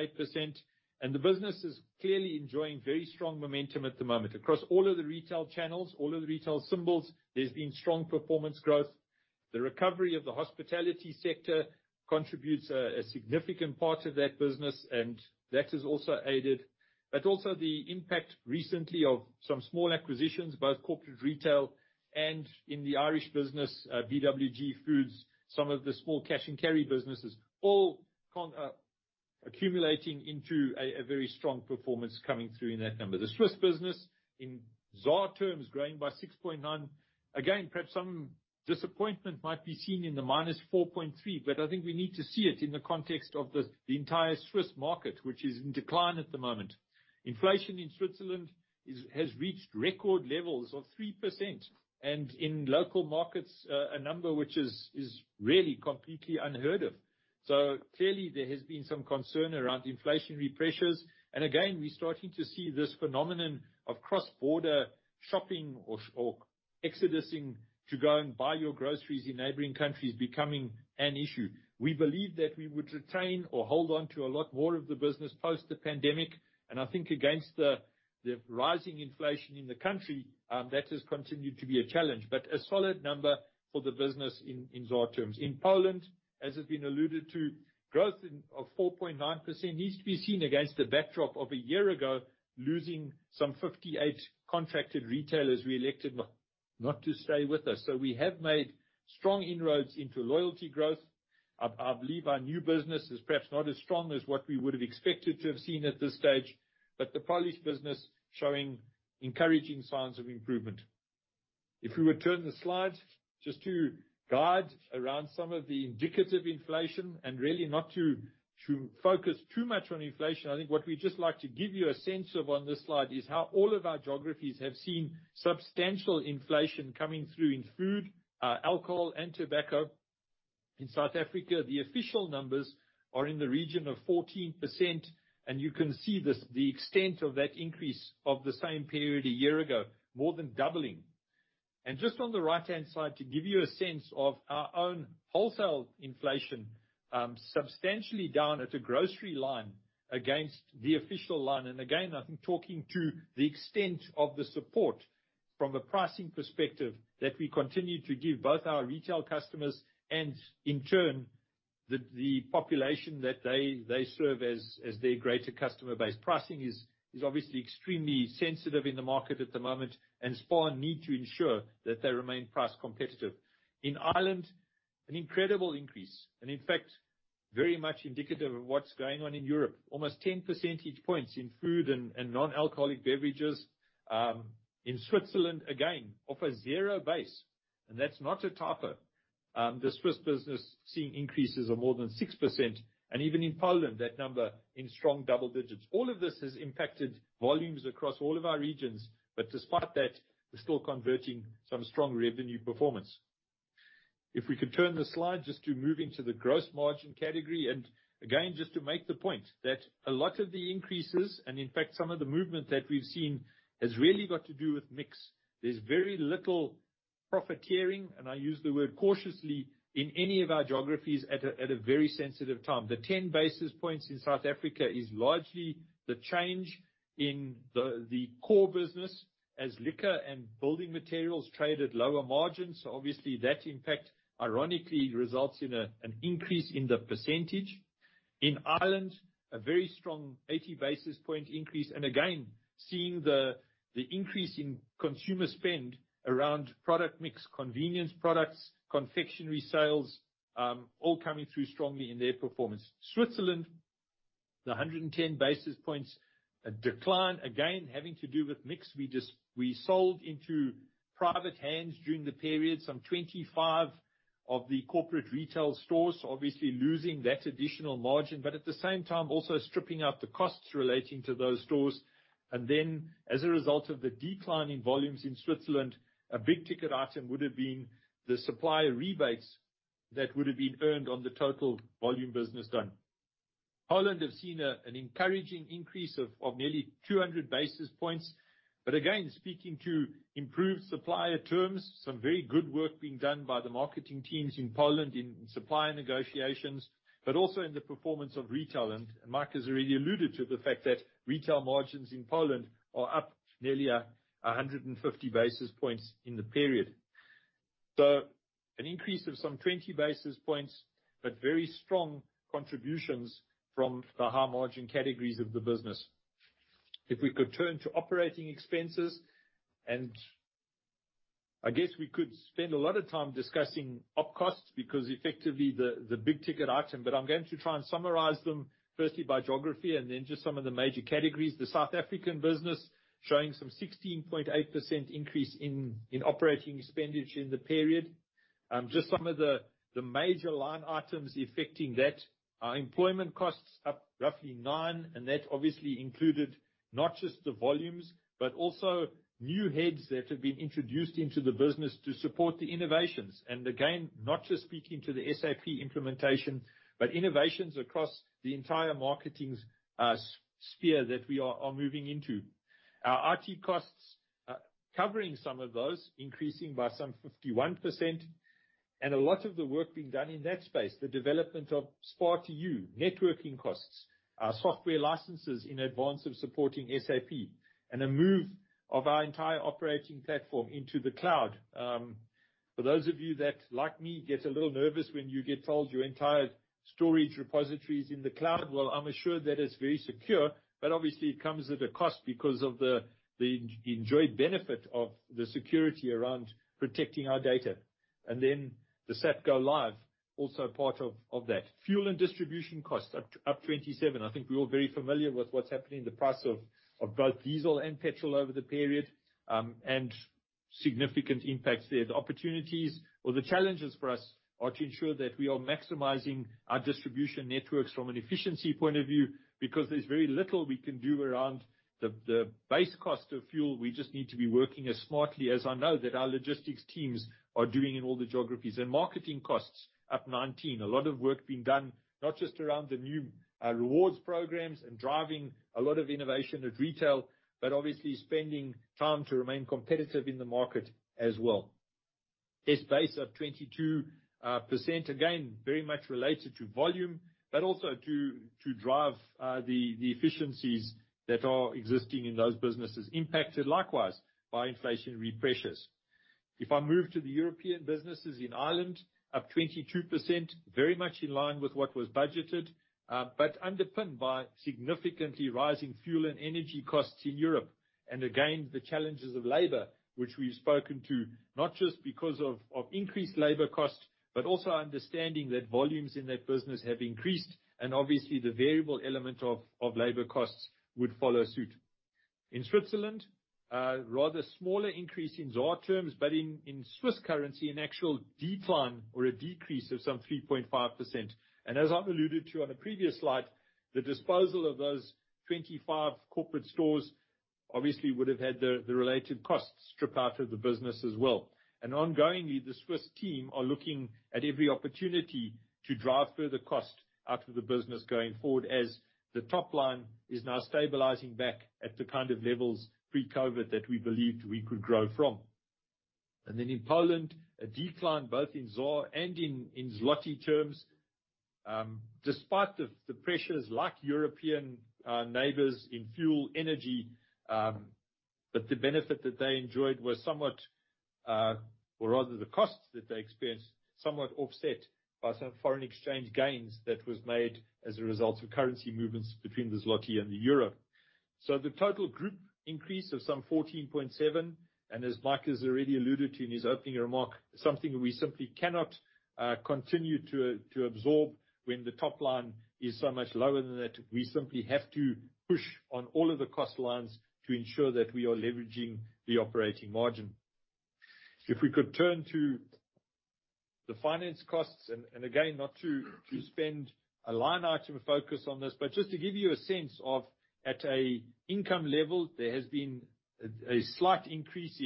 and the business is clearly enjoying very strong momentum at the moment. Across all of the retail channels, all of the retail symbols, there's been strong performance growth. The recovery of the hospitality sector contributes a significant part of that business, and that has also aided, but also the impact recently of some small acquisitions, both corporate retail and in the Irish business, BWG Group, some of the small cash and carry businesses, all accumulating into a very strong performance coming through in that number. The Swiss business, in ZAR terms, growing by 6.9%. Again, perhaps some disappointment might be seen in the -4.3%, but I think we need to see it in the context of the entire Swiss market, which is in decline at the moment. Inflation in Switzerland has reached record levels of 3%, and in local markets, a number which is really completely unheard of. So clearly, there has been some concern around inflationary pressures, and again, we're starting to see this phenomenon of cross-border shopping or exodusing to go and buy your groceries in neighboring countries becoming an issue. We believe that we would retain or hold on to a lot more of the business post the pandemic, and I think against the rising inflation in the country, that has continued to be a challenge, but a solid number for the business in ZAR terms. In Poland, as has been alluded to, growth of 4.9% needs to be seen against the backdrop of a year ago losing some 58 contracted retailers we elected not to stay with us. So we have made strong inroads into loyalty growth. I believe our new business is perhaps not as strong as what we would have expected to have seen at this stage, but the Polish business showing encouraging signs of improvement. If we would turn the slides, just to guide around some of the indicative inflation and really not to focus too much on inflation, I think what we'd just like to give you a sense of on this slide is how all of our geographies have seen substantial inflation coming through in food, alcohol, and tobacco. In South Africa, the official numbers are in the region of 14%, and you can see the extent of that increase of the same period a year ago, more than doubling, and just on the right-hand side, to give you a sense of our own wholesale inflation, substantially down at a grocery line against the official line. Again, I think talking to the extent of the support from a pricing perspective that we continue to give both our retail customers and, in turn, the population that they serve as their greater customer base. Pricing is obviously extremely sensitive in the market at the moment, and SPAR need to ensure that they remain price competitive. In Ireland, an incredible increase, and in fact, very much indicative of what's going on in Europe, almost 10 percentage points in food and non-alcoholic beverages. In Switzerland, again, off a zero base, and that's not a typo. The Swiss business seeing increases of more than 6%, and even in Poland, that number in strong double digits. All of this has impacted volumes across all of our regions, but despite that, we're still converting some strong revenue performance. If we could turn the slide just to moving to the gross margin category, and again, just to make the point that a lot of the increases and, in fact, some of the movement that we've seen has really got to do with mix. There's very little profiteering, and I use the word cautiously, in any of our geographies at a very sensitive time. The 10 basis points in South Africa is largely the change in the core business as liquor and building materials traded lower margins, so obviously that impact ironically results in an increase in the percentage. In Ireland, a very strong 80 basis point increase, and again, seeing the increase in consumer spend around product mix, convenience products, confectionery sales, all coming through strongly in their performance. Switzerland, the 110 basis points decline, again, having to do with mix. We sold into private hands during the period, some 25 of the corporate retail stores, obviously losing that additional margin, but at the same time, also stripping out the costs relating to those stores, and then, as a result of the decline in volumes in Switzerland, a big ticket item would have been the supplier rebates that would have been earned on the total volume business done. Poland have seen an encouraging increase of nearly 200 basis points, but again, speaking to improved supplier terms, some very good work being done by the marketing teams in Poland in supplier negotiations, but also in the performance of retail. And Mark has already alluded to the fact that retail margins in Poland are up nearly 150 basis points in the period, so an increase of some 20 basis points, but very strong contributions from the high margin categories of the business. If we could turn to operating expenses, and I guess we could spend a lot of time discussing OpEx because effectively the big ticket item, but I'm going to try and summarize them firstly by geography and then just some of the major categories. The South African business showing some 16.8% increase in operating expenditure in the period. Just some of the major line items affecting that are employment costs, up roughly 9%, and that obviously included not just the volumes, but also new heads that have been introduced into the business to support the innovations. And again, not just speaking to the SAP implementation, but innovations across the entire marketing sphere that we are moving into. Our IT costs covering some of those, increasing by some 51%, and a lot of the work being done in that space, the development of SPAR2U, networking costs, software licenses in advance of supporting SAP, and a move of our entire operating platform into the cloud. For those of you that, like me, get a little nervous when you get told your entire storage repository is in the cloud, well, I'm assured that it's very secure, but obviously it comes at a cost because of the enjoyed benefit of the security around protecting our data. And then the SAP Go Live, also part of that. Fuel and distribution costs, up 27%. I think we're all very familiar with what's happening in the price of both diesel and petrol over the period, and significant impacts there. The opportunities or the challenges for us are to ensure that we are maximizing our distribution networks from an efficiency point of view because there's very little we can do around the base cost of fuel. We just need to be working as smartly as I know that our logistics teams are doing in all the geographies, and marketing costs, up 19%. A lot of work being done, not just around the new rewards programs and driving a lot of innovation at retail, but obviously spending time to remain competitive in the market as well. S Buys up 22%, again, very much related to volume, but also to drive the efficiencies that are existing in those businesses, impacted likewise by inflationary pressures. If I move to the European businesses in Ireland, up 22%, very much in line with what was budgeted, but underpinned by significantly rising fuel and energy costs in Europe, and again, the challenges of labor, which we've spoken to, not just because of increased labor costs, but also understanding that volumes in that business have increased, and obviously the variable element of labor costs would follow suit. In Switzerland, rather smaller increase in ZAR terms, but in Swiss currency, an actual decline or a decrease of some 3.5%. And as I've alluded to on a previous slide, the disposal of those 25 corporate stores obviously would have had the related costs stripped out of the business as well. And ongoingly, the Swiss team are looking at every opportunity to drive further costs out of the business going forward as the top line is now stabilizing back at the kind of levels pre-COVID that we believed we could grow from. And then in Poland, a decline both in ZAR and in Zloty terms, despite the pressures like European neighbors in fuel, energy, but the benefit that they enjoyed was somewhat, or rather the costs that they experienced, somewhat offset by some foreign exchange gains that was made as a result of currency movements between the Zloty and the euro. So the total group increase of some 14.7%, and as Mark has already alluded to in his opening remark, something we simply cannot continue to absorb when the top line is so much lower than that. We simply have to push on all of the cost lines to ensure that we are leveraging the operating margin. If we could turn to the finance costs, and again, not to spend a line item focus on this, but just to give you a sense of at an income level, there has been a slight increase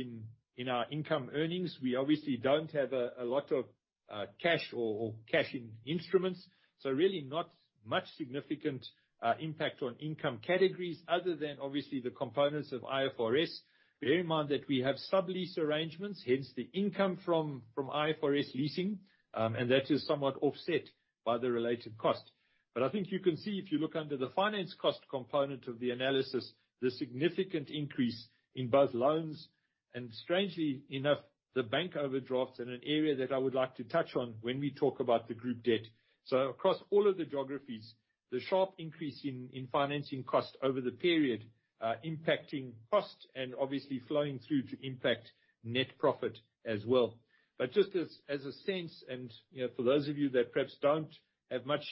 in our income earnings. We obviously don't have a lot of cash or cash in instruments, so really not much significant impact on income categories other than obviously the components of IFRS. Bear in mind that we have sub-lease arrangements, hence the income from IFRS leasing, and that is somewhat offset by the related cost. But I think you can see if you look under the finance cost component of the analysis, the significant increase in both loans, and strangely enough, the bank overdrafts in an area that I would like to touch on when we talk about the group debt. So across all of the geographies, the sharp increase in financing cost over the period impacting cost and obviously flowing through to impact net profit as well. But just as a sense, and for those of you that perhaps don't have much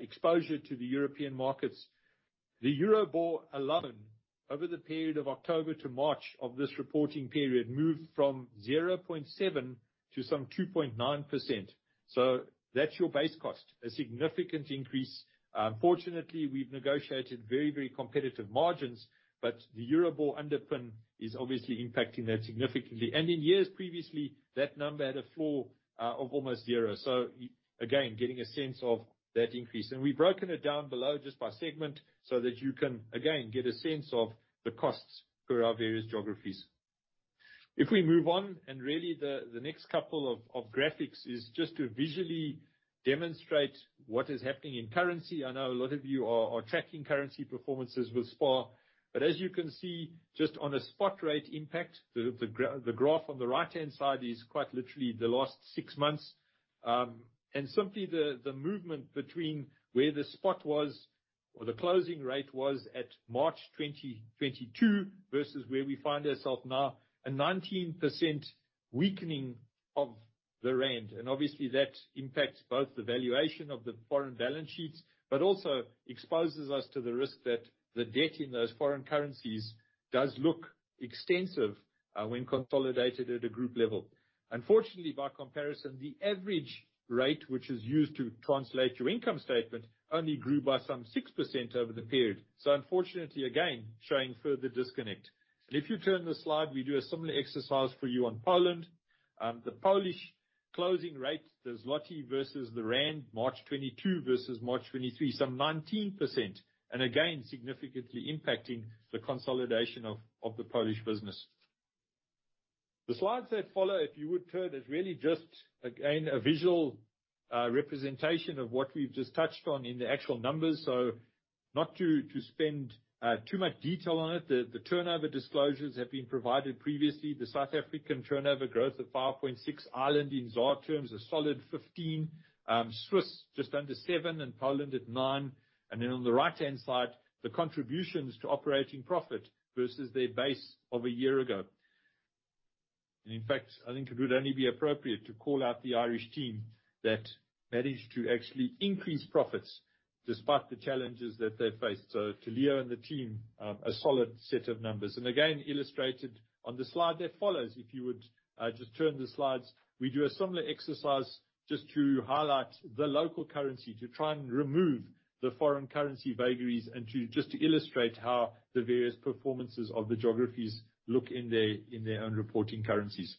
exposure to the European markets, the Euribor alone over the period of October to March of this reporting period moved from 0.7% to some 2.9%. So that's your base cost, a significant increase. Fortunately, we've negotiated very, very competitive margins, but the Euribor underpin is obviously impacting that significantly. In years previously, that number had a floor of almost zero. Again, getting a sense of that increase. We've broken it down below just by segment so that you can, again, get a sense of the costs for our various geographies. If we move on, and really the next couple of graphics is just to visually demonstrate what is happening in currency. I know a lot of you are tracking currency performances with SPAR, but as you can see, just on a spot rate impact, the graph on the right-hand side is quite literally the last six months. Simply the movement between where the spot was or the closing rate was at March 2022 versus where we find ourselves now, a 19% weakening of the rand. And obviously, that impacts both the valuation of the foreign balance sheets, but also exposes us to the risk that the debt in those foreign currencies does look extensive when consolidated at a group level. Unfortunately, by comparison, the average rate, which is used to translate your income statement, only grew by some 6% over the period. So unfortunately, again, showing further disconnect. And if you turn the slide, we do a similar exercise for you on Poland. The Polish closing rate, the Zloty versus the rand, March 2022 versus March 2023, some 19%, and again, significantly impacting the consolidation of the Polish business. The slides that follow, if you would turn, is really just, again, a visual representation of what we've just touched on in the actual numbers. So not to spend too much detail on it, the turnover disclosures have been provided previously. The South African turnover growth of 5.6% in ZAR terms is a solid 15%, Swiss just under 7%, and Poland at 9%. And then on the right-hand side, the contributions to operating profit versus their base of a year ago. And in fact, I think it would only be appropriate to call out the Irish team that managed to actually increase profits despite the challenges that they faced. So to Leo and the team, a solid set of numbers. And again, illustrated on the slide that follows, if you would just turn the slides, we do a similar exercise just to highlight the local currency, to try and remove the foreign currency vagaries and just to illustrate how the various performances of the geographies look in their own reporting currencies.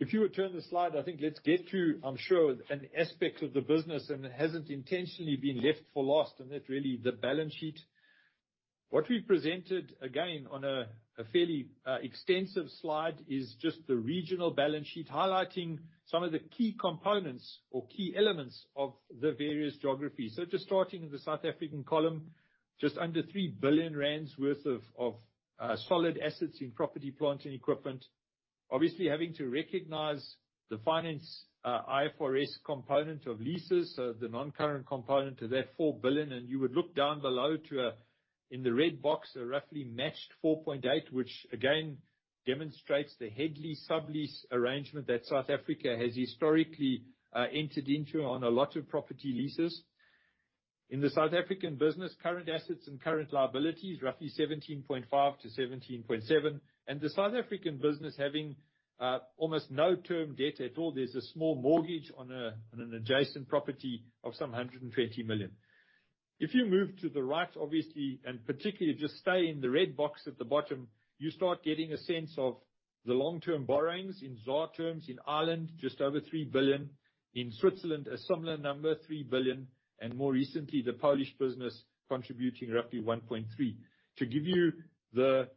If you would turn the slide, I think let's get to, I'm sure, an aspect of the business, and it hasn't intentionally been left for last, and that's really the balance sheet. What we've presented, again, on a fairly extensive slide is just the regional balance sheet highlighting some of the key components or key elements of the various geographies. So just starting in the South African column, just under 3 billion rand worth of solid assets in property, plants, and equipment. Obviously, having to recognize the finance IFRS component of leases, so the non-current component of that 4 billion, and you would look down below to the red box, a roughly matched 4.8 billion, which again demonstrates the head lease sub-lease arrangement that South Africa has historically entered into on a lot of property leases. In the South African business, current assets and current liabilities, roughly 17.5-17.7, and the South African business having almost no term debt at all. There's a small mortgage on an adjacent property of some 120 million. If you move to the right, obviously, and particularly just stay in the red box at the bottom, you start getting a sense of the long-term borrowings in ZAR terms in Ireland, just over 3 billion. In Switzerland, a similar number, 3 billion, and more recently, the Polish business contributing roughly 1.3 billion. To give you the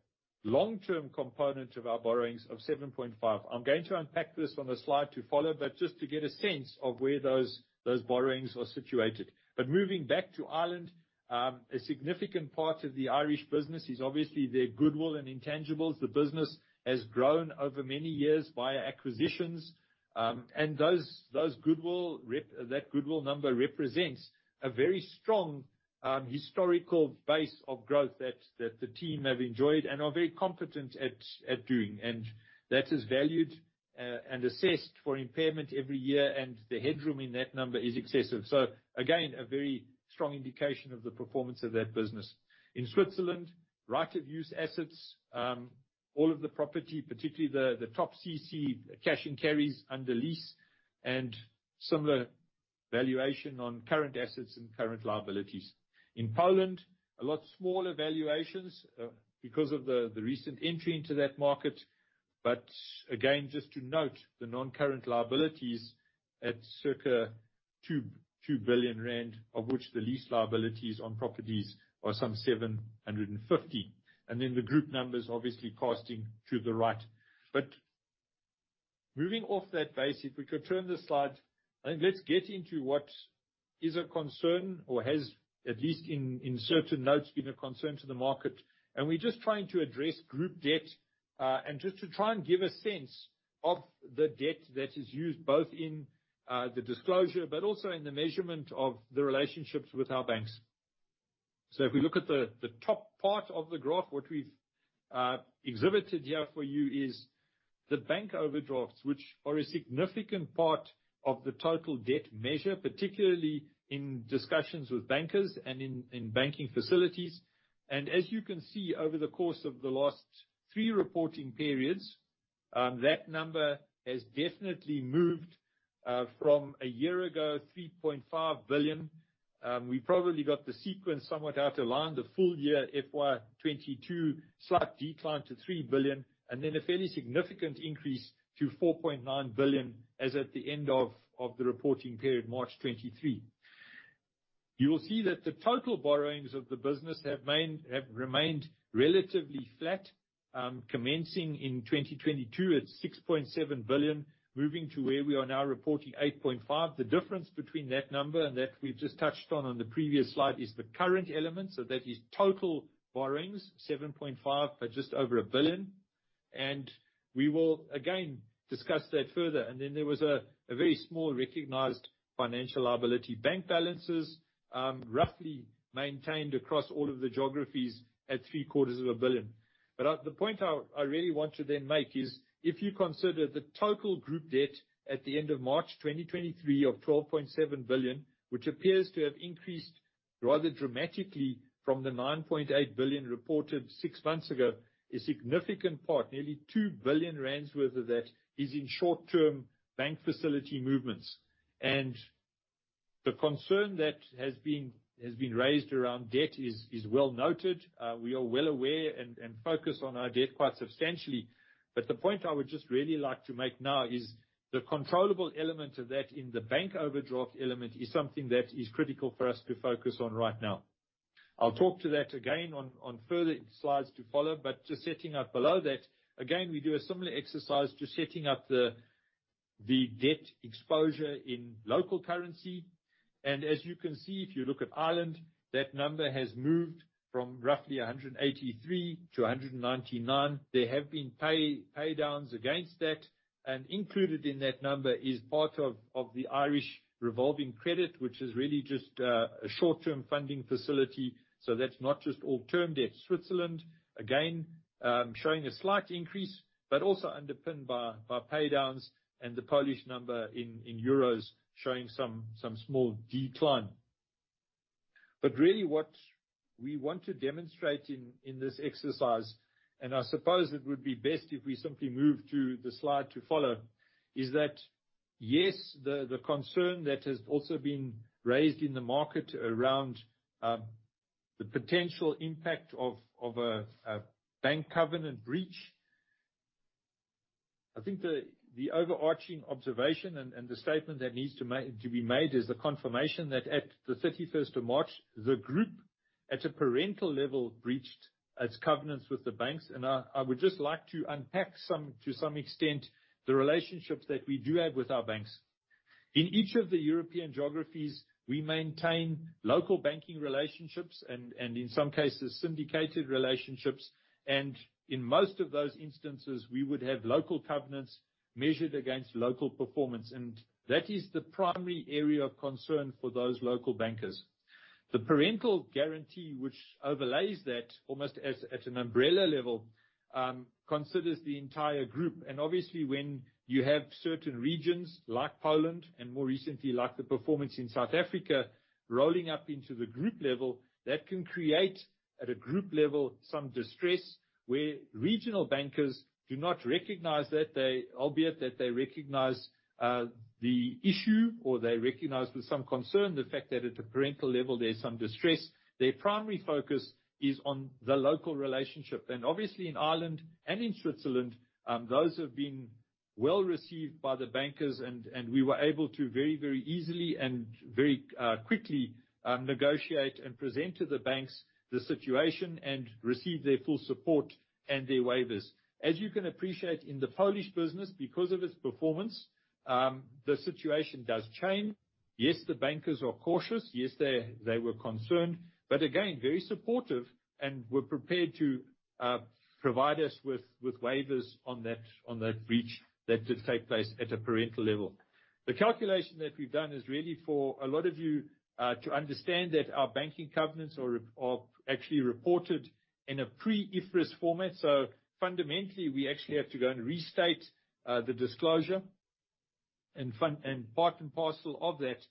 long-term component of our borrowings of 7.5 billion, I'm going to unpack this on the slide to follow, but just to get a sense of where those borrowings are situated, but moving back to Ireland, a significant part of the Irish business is obviously their goodwill and intangibles. The business has grown over many years via acquisitions, and that goodwill number represents a very strong historical base of growth that the team have enjoyed and are very competent at doing, and that is valued and assessed for impairment every year, and the headroom in that number is excessive, so again, a very strong indication of the performance of that business. In Switzerland, right-of-use assets, all of the property, particularly the TopCC cash and carries under lease, and similar valuation on current assets and current liabilities. In Poland, a lot smaller valuations because of the recent entry into that market, but again, just to note the non-current liabilities at circa 2 billion rand, of which the lease liabilities on properties are some 750 million. And then the group numbers obviously casting to the right. But moving off that base, if we could turn the slide, I think let's get into what is a concern or has, at least in certain notes, been a concern to the market. And we're just trying to address group debt and just to try and give a sense of the debt that is used both in the disclosure, but also in the measurement of the relationships with our banks. So if we look at the top part of the graph, what we've exhibited here for you is the bank overdrafts, which are a significant part of the total debt measure, particularly in discussions with bankers and in banking facilities. And as you can see over the course of the last three reporting periods, that number has definitely moved from a year ago, 3.5 billion. We probably got the sequence somewhat out of line, the full year FY 2022 slight decline to 3 billion, and then a fairly significant increase to 4.9 billion as at the end of the reporting period, March 2023. You will see that the total borrowings of the business have remained relatively flat, commencing in 2022 at 6.7 billion, moving to where we are now reporting 8.5 billion. The difference between that number and that we've just touched on on the previous slide is the current element, so that is total borrowings, 7.5 billion for just over a billion. We will again discuss that further. Then there was a very small recognized financial liability bank balances, roughly maintained across all of the geographies at 0.75 billion. But the point I really want to then make is if you consider the total group debt at the end of March 2023 of 12.7 billion, which appears to have increased rather dramatically from the 9.8 billion reported six months ago, a significant part, nearly 2 billion rand worth of that is in short-term bank facility movements. And the concern that has been raised around debt is well noted. We are well aware and focus on our debt quite substantially. But the point I would just really like to make now is the controllable element of that in the bank overdraft element is something that is critical for us to focus on right now. I'll talk to that again on further slides to follow, but just setting up below that, again, we do a similar exercise to setting up the debt exposure in local currency. As you can see, if you look at Ireland, that number has moved from roughly 183 to 199. There have been paydowns against that, and included in that number is part of the Irish revolving credit, which is really just a short-term funding facility. So that's not just all term debt. Switzerland, again, showing a slight increase, but also underpinned by paydowns and the Polish number in euros showing some small decline. But really what we want to demonstrate in this exercise, and I suppose it would be best if we simply move to the slide to follow, is that yes, the concern that has also been raised in the market around the potential impact of a bank covenant breach. I think the overarching observation and the statement that needs to be made is the confirmation that at the 31st of March, the group at a parent level breached its covenants with the banks. And I would just like to unpack to some extent the relationships that we do have with our banks. In each of the European geographies, we maintain local banking relationships and in some cases syndicated relationships. And in most of those instances, we would have local covenants measured against local performance. And that is the primary area of concern for those local bankers. The parental guarantee, which overlays that almost at an umbrella level, considers the entire group. Obviously, when you have certain regions like Poland and more recently like the performance in South Africa rolling up into the group level, that can create at a group level some distress where regional bankers do not recognize that, albeit that they recognize the issue or they recognize with some concern the fact that at a parental level there's some distress. Their primary focus is on the local relationship. Obviously, in Ireland and in Switzerland, those have been well received by the bankers, and we were able to very, very easily and very quickly negotiate and present to the banks the situation and receive their full support and their waivers. As you can appreciate, in the Polish business, because of its performance, the situation does change. Yes, the bankers are cautious. Yes, they were concerned, but again, very supportive and were prepared to provide us with waivers on that breach that did take place at a parental level. The calculation that we've done is really for a lot of you to understand that our banking covenants are actually reported in a pre-IFRS format. So fundamentally, we actually have to go and restate the disclosure. And part and parcel of that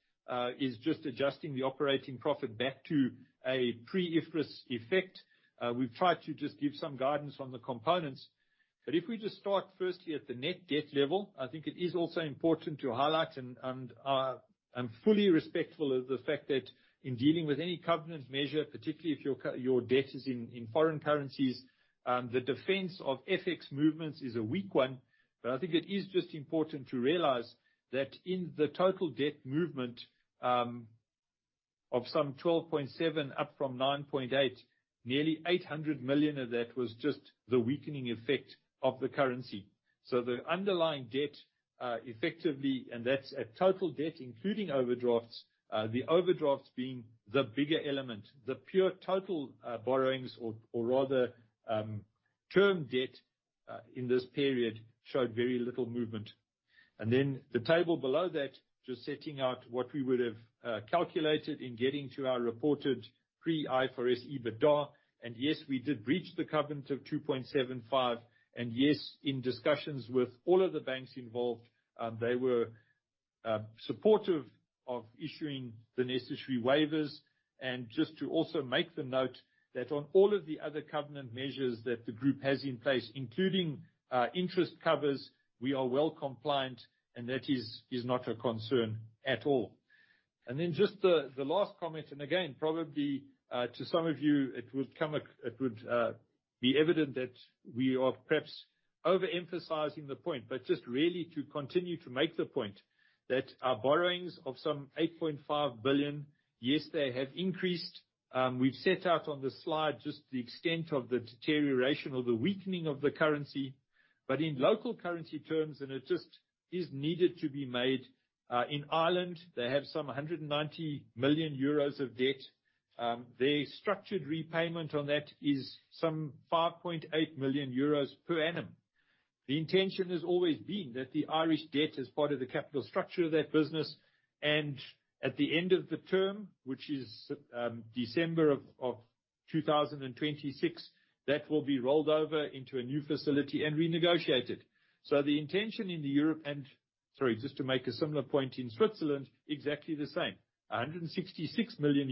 is just adjusting the operating profit back to a pre-IFRS effect. We've tried to just give some guidance on the components. But if we just start firstly at the net debt level, I think it is also important to highlight, and I'm fully respectful of the fact that in dealing with any covenant measure, particularly if your debt is in foreign currencies, the defense of FX movements is a weak one. I think it is just important to realize that in the total debt movement of some 12.7 billion up from 9.8 billion, nearly 800 million of that was just the weakening effect of the currency. The underlying debt effectively, and that's at total debt, including overdrafts, the overdrafts being the bigger element. The pure total borrowings, or rather term debt in this period, showed very little movement. Then the table below that, just setting out what we would have calculated in getting to our reported pre-IFRS EBITDA. Yes, we did breach the covenant of 2.75. Yes, in discussions with all of the banks involved, they were supportive of issuing the necessary waivers. Just to also make the note that on all of the other covenant measures that the group has in place, including interest covers, we are well compliant, and that is not a concern at all. Then just the last comment, and again, probably to some of you, it would be evident that we are perhaps overemphasizing the point, but just really to continue to make the point that our borrowings of some 8.5 billion, yes, they have increased. We've set out on the slide just the extent of the deterioration or the weakening of the currency. But in local currency terms, and it just is needed to be made, in Ireland, they have some 190 million euros of debt. Their structured repayment on that is some 5.8 million euros per annum. The intention has always been that the Irish debt is part of the capital structure of that business, and at the end of the term, which is December of 2026, that will be rolled over into a new facility and renegotiated. The intention in Europe, and sorry, just to make a similar point in Switzerland, exactly the same, 166 million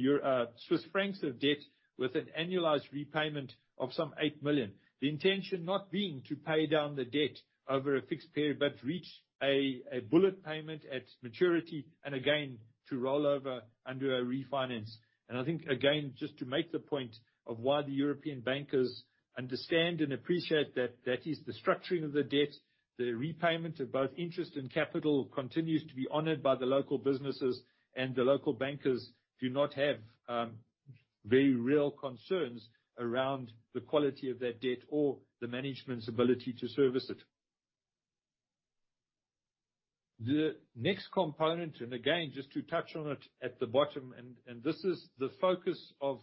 Swiss francs of debt with an annualized repayment of some 8 million. The intention not being to pay down the debt over a fixed period, but reach a bullet payment at maturity and again to roll over under a refinance. I think again, just to make the point of why the European bankers understand and appreciate that that is the structuring of the debt, the repayment of both interest and capital continues to be honored by the local businesses, and the local bankers do not have very real concerns around the quality of that debt or the management's ability to service it. The next component, and again, just to touch on it at the bottom, and this is the focus of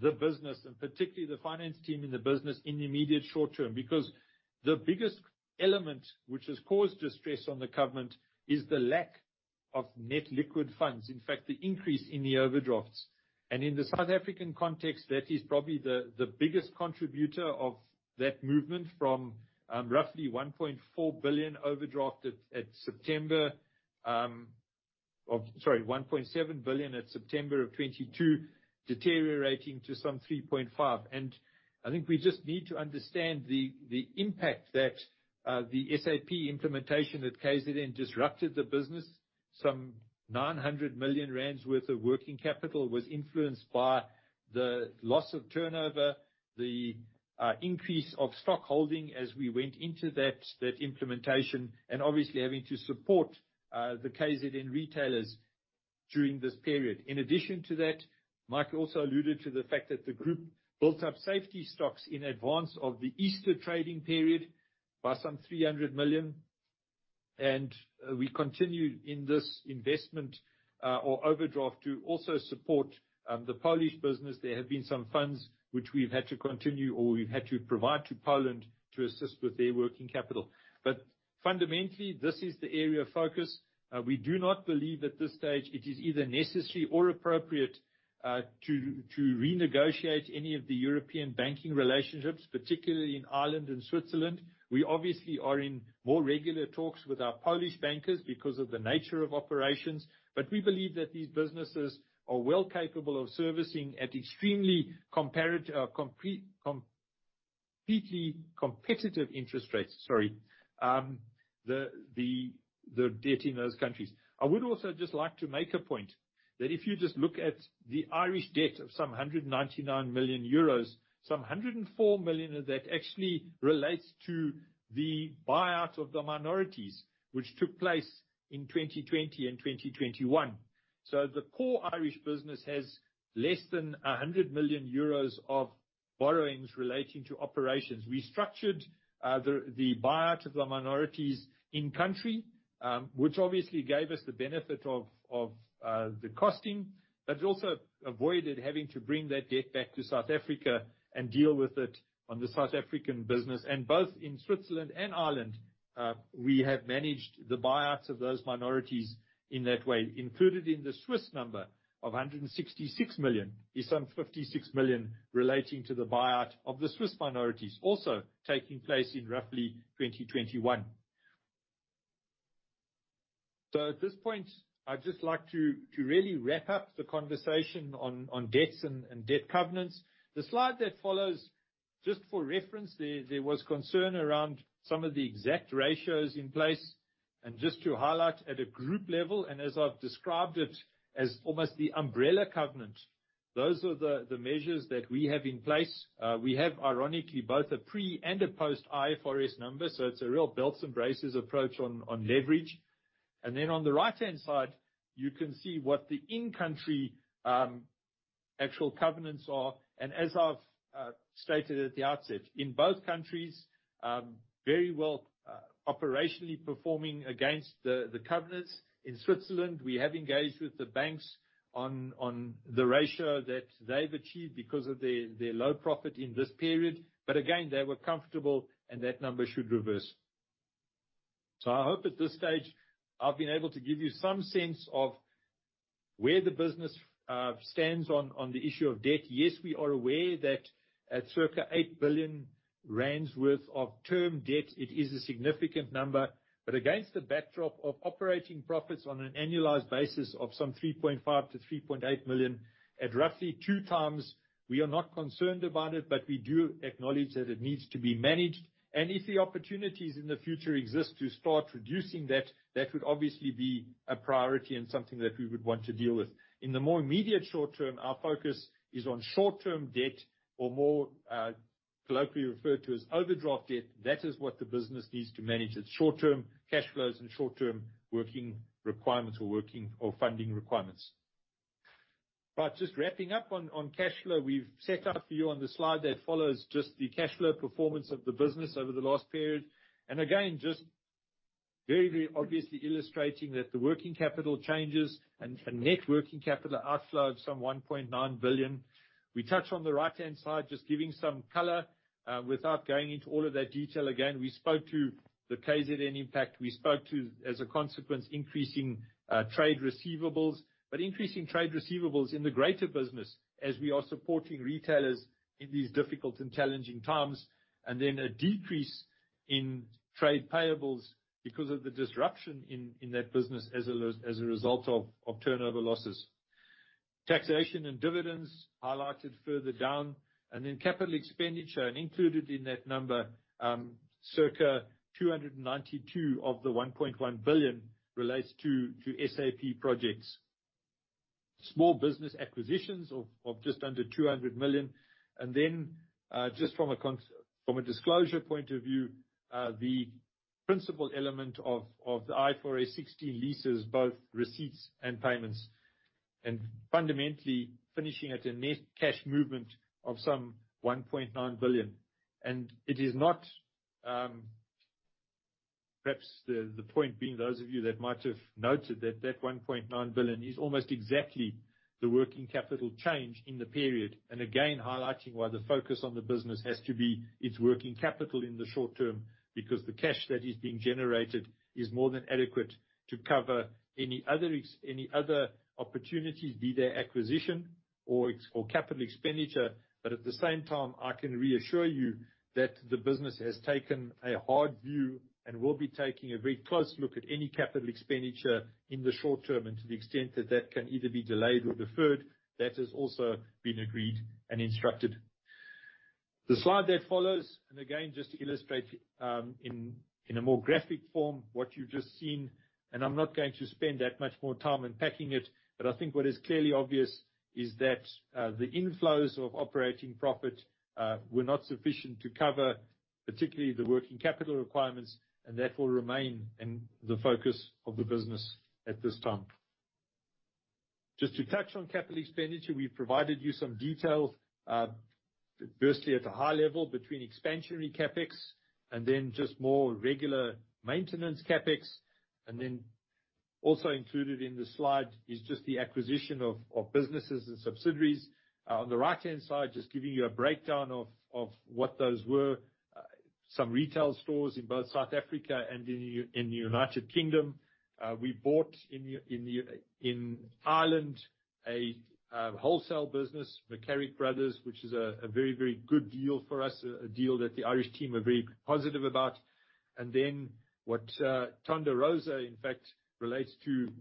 the business and particularly the finance team in the business in the immediate short term, because the biggest element which has caused distress on the covenant is the lack of net liquidity, in fact, the increase in the overdrafts. And in the South African context, that is probably the biggest contributor of that movement from roughly 1.4 billion overdraft at SAPtember of, sorry, 1.7 billion at SAPtember of 2022, deteriorating to some 3.5 billion. And I think we just need to understand the impact that the SAP implementation at KZN disrupted the business. Some 900 million rand worth of working capital was influenced by the loss of turnover, the increase of stock holding as we went into that implementation, and obviously having to support the KZN retailers during this period. In addition to that, Mike also alluded to the fact that the group built up safety stocks in advance of the Easter trading period by some 300 million. And we continue in this investment or overdraft to also support the Polish business. There have been some funds which we've had to continue or we've had to provide to Poland to assist with their working capital. But fundamentally, this is the area of focus. We do not believe at this stage it is either necessary or appropriate to renegotiate any of the European banking relationships, particularly in Ireland and Switzerland. We obviously are in more regular talks with our Polish bankers because of the nature of operations, but we believe that these businesses are well capable of servicing at extremely competitive interest rates, sorry, the debt in those countries. I would also just like to make a point that if you just look at the Irish debt of some 199 million euros, some 104 million of that actually relates to the buyout of the minorities, which took place in 2020 and 2021. So the core Irish business has less than 100 million euros of borrowings relating to operations. We structured the buyout of the minorities in country, which obviously gave us the benefit of the costing, but also avoided having to bring that debt back to South Africa and deal with it on the South African business. And both in Switzerland and Ireland, we have managed the buyouts of those minorities in that way, included in the Swiss number of 166 million, is some 56 million relating to the buyout of the Swiss minorities, also taking place in roughly 2021. So at this point, I'd just like to really wrap up the conversation on debts and debt covenants. The slide that follows, just for reference, there was concern around some of the exact ratios in place. Just to highlight at a group level, and as I've described it as almost the umbrella covenant, those are the measures that we have in place. We have ironically both a pre and a post-IFRS number, so it's a real belts and braces approach on leverage. Then on the right-hand side, you can see what the in-country actual covenants are. As I've stated at the outset, in both countries, very well operationally performing against the covenants. In Switzerland, we have engaged with the banks on the ratio that they've achieved because of their low profit in this period. But again, they were comfortable, and that number should reverse. I hope at this stage, I've been able to give you some sense of where the business stands on the issue of debt. Yes, we are aware that at circa 8 billion rand worth of term debt, it is a significant number, but against the backdrop of operating profits on an annualized basis of some 3.5 million-3.8 million at roughly two times, we are not concerned about it, but we do acknowledge that it needs to be managed, and if the opportunities in the future exist to start reducing that, that would obviously be a priority and something that we would want to deal with. In the more immediate short term, our focus is on short-term debt or more colloquially referred to as overdraft debt. That is what the business needs to manage its short-term cash flows and short-term working requirements or funding requirements. But just wrapping up on cash flow, we've set out for you on the slide that follows just the cash flow performance of the business over the last period. And again, just very, very obviously illustrating that the working capital changes and net working capital outflow of some 1.9 billion. We touch on the right-hand side just giving some color without going into all of that detail. Again, we spoke to the KZN impact. We spoke to, as a consequence, increasing trade receivables, but increasing trade receivables in the greater business as we are supporting retailers in these difficult and challenging times, and then a decrease in trade payables because of the disruption in that business as a result of turnover losses. Taxation and dividends highlighted further down. And then capital expenditure included in that number, circa 292 of the 1.1 billion relates to SAP projects. Small business acquisitions of just under 200 million. And then just from a disclosure point of view, the principal element of the IFRS 16 leases, both receipts and payments, and fundamentally finishing at a net cash movement of some 1.9 billion. And it is not, perhaps the point being those of you that might have noted that that 1.9 billion is almost exactly the working capital change in the period. And again, highlighting why the focus on the business has to be its working capital in the short term because the cash that is being generated is more than adequate to cover any other opportunities, be they acquisition or capital expenditure. But at the same time, I can reassure you that the business has taken a hard view and will be taking a very close look at any capital expenditure in the short term and to the extent that that can either be delayed or deferred. That has also been agreed and instructed. The slide that follows, and again, just to illustrate in a more graphic form what you've just seen, and I'm not going to spend that much more time unpacking it, but I think what is clearly obvious is that the inflows of operating profit were not sufficient to cover particularly the working capital requirements, and that will remain the focus of the business at this time. Just to touch on capital expenditure, we've provided you some detail, firstly at a high level between expansionary CapEx and then just more regular maintenance CapEx. And then also included in the slide is just the acquisition of businesses and subsidiaries. On the right-hand side, just giving you a breakdown of what those were, some retail stores in both South Africa and in the United Kingdom. We bought in Ireland a wholesale business, McCarrick Brothers, which is a very, very good deal for us, a deal that the Irish team are very positive about. And then what Tondorosa, in fact, relates to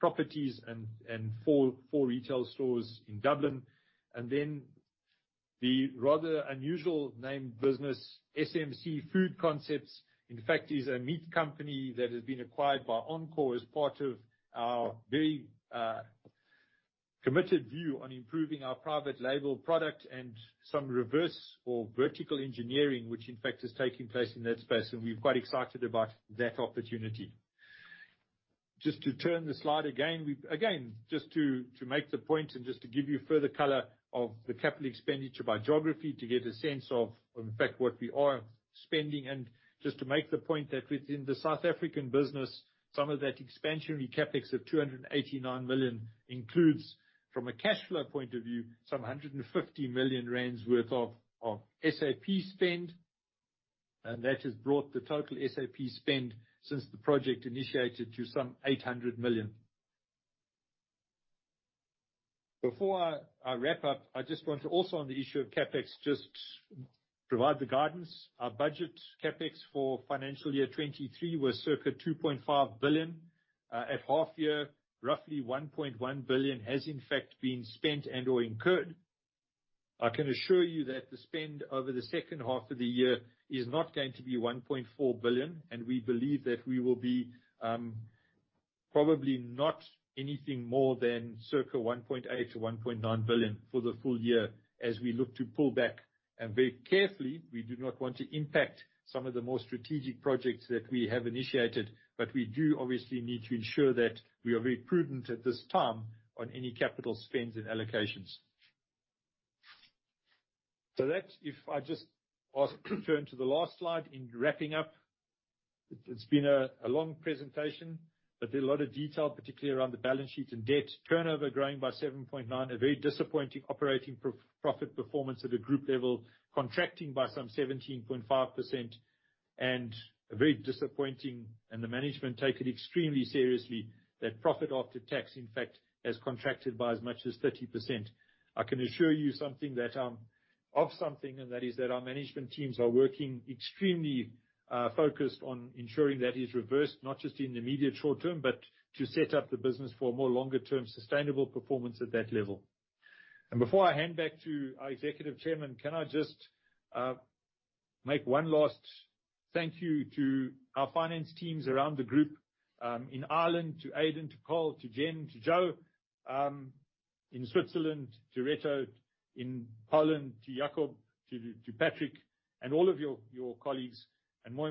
properties and four retail stores in Dublin. And then the rather unusually named business, SMC Food Concepts, in fact, is a meat company that has been acquired by Encore as part of our very committed view on improving our private label product and some reverse or vertical engineering, which in fact is taking place in that space. And we're quite excited about that opportunity. Just to turn the slide again, just to make the point and just to give you further color of the capital expenditure by geography to get a sense of, in fact, what we are spending. Just to make the point that within the South African business, some of that expansionary CapEx of 289 million includes, from a cash flow point of view, some 150 million rand worth of SAP spend. That has brought the total SAP spend since the project initiated to some 800 million. Before I wrap up, I just want to also on the issue of CapEx just provide the guidance. Our budget CapEx for financial year 2023 was circa 2.5 billion. At half year, roughly 1.1 billion has in fact been spent and/or incurred. I can assure you that the spend over the second half of the year is not going to be 1.4 billion, and we believe that we will be probably not anything more than circa 1.8 billion-1.9 billion for the full year as we look to pull back very carefully. We do not want to impact some of the more strategic projects that we have initiated, but we do obviously need to ensure that we are very prudent at this time on any capital spends and allocations. So that, if I just turn to the last slide in wrapping up, it's been a long presentation, but there's a lot of detail, particularly around the balance sheet and debt turnover growing by 7.9, a very disappointing operating profit performance at a group level, contracting by some 17.5%, and a very disappointing and the management take it extremely seriously that profit after tax, in fact, has contracted by as much as 30%. I can assure you something that I'm of something, and that is that our management teams are working extremely focused on ensuring that is reversed, not just in the immediate short term, but to set up the business for a more longer-term sustainable performance at that level. And before I hand back to our Executive Chairman, can I just make one last thank you to our finance teams around the group in Ireland, to Aiden, to Paul, to Jen, to Joe, in Switzerland, to Reto, in Poland, to Jakub, to Patrick, and all of your colleagues, and more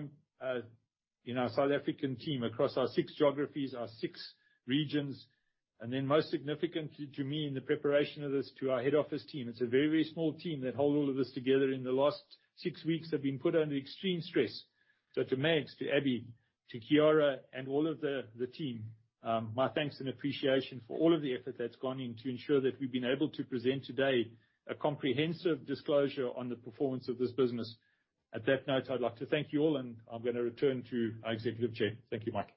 in our South African team across our six geographies, our six regions. And then most significant to me in the preparation of this to our head office team, it's a very, very small team that holds all of this together in the last six weeks have been put under extreme stress. So to Mags, to Abby, to Chiara, and all of the team, my thanks and appreciation for all of the effort that's gone in to ensure that we've been able to present today a comprehensive disclosure on the performance of this business. On that note, I'd like to thank you all, and I'm going to return to our Executive Chair. Thank you, Mike.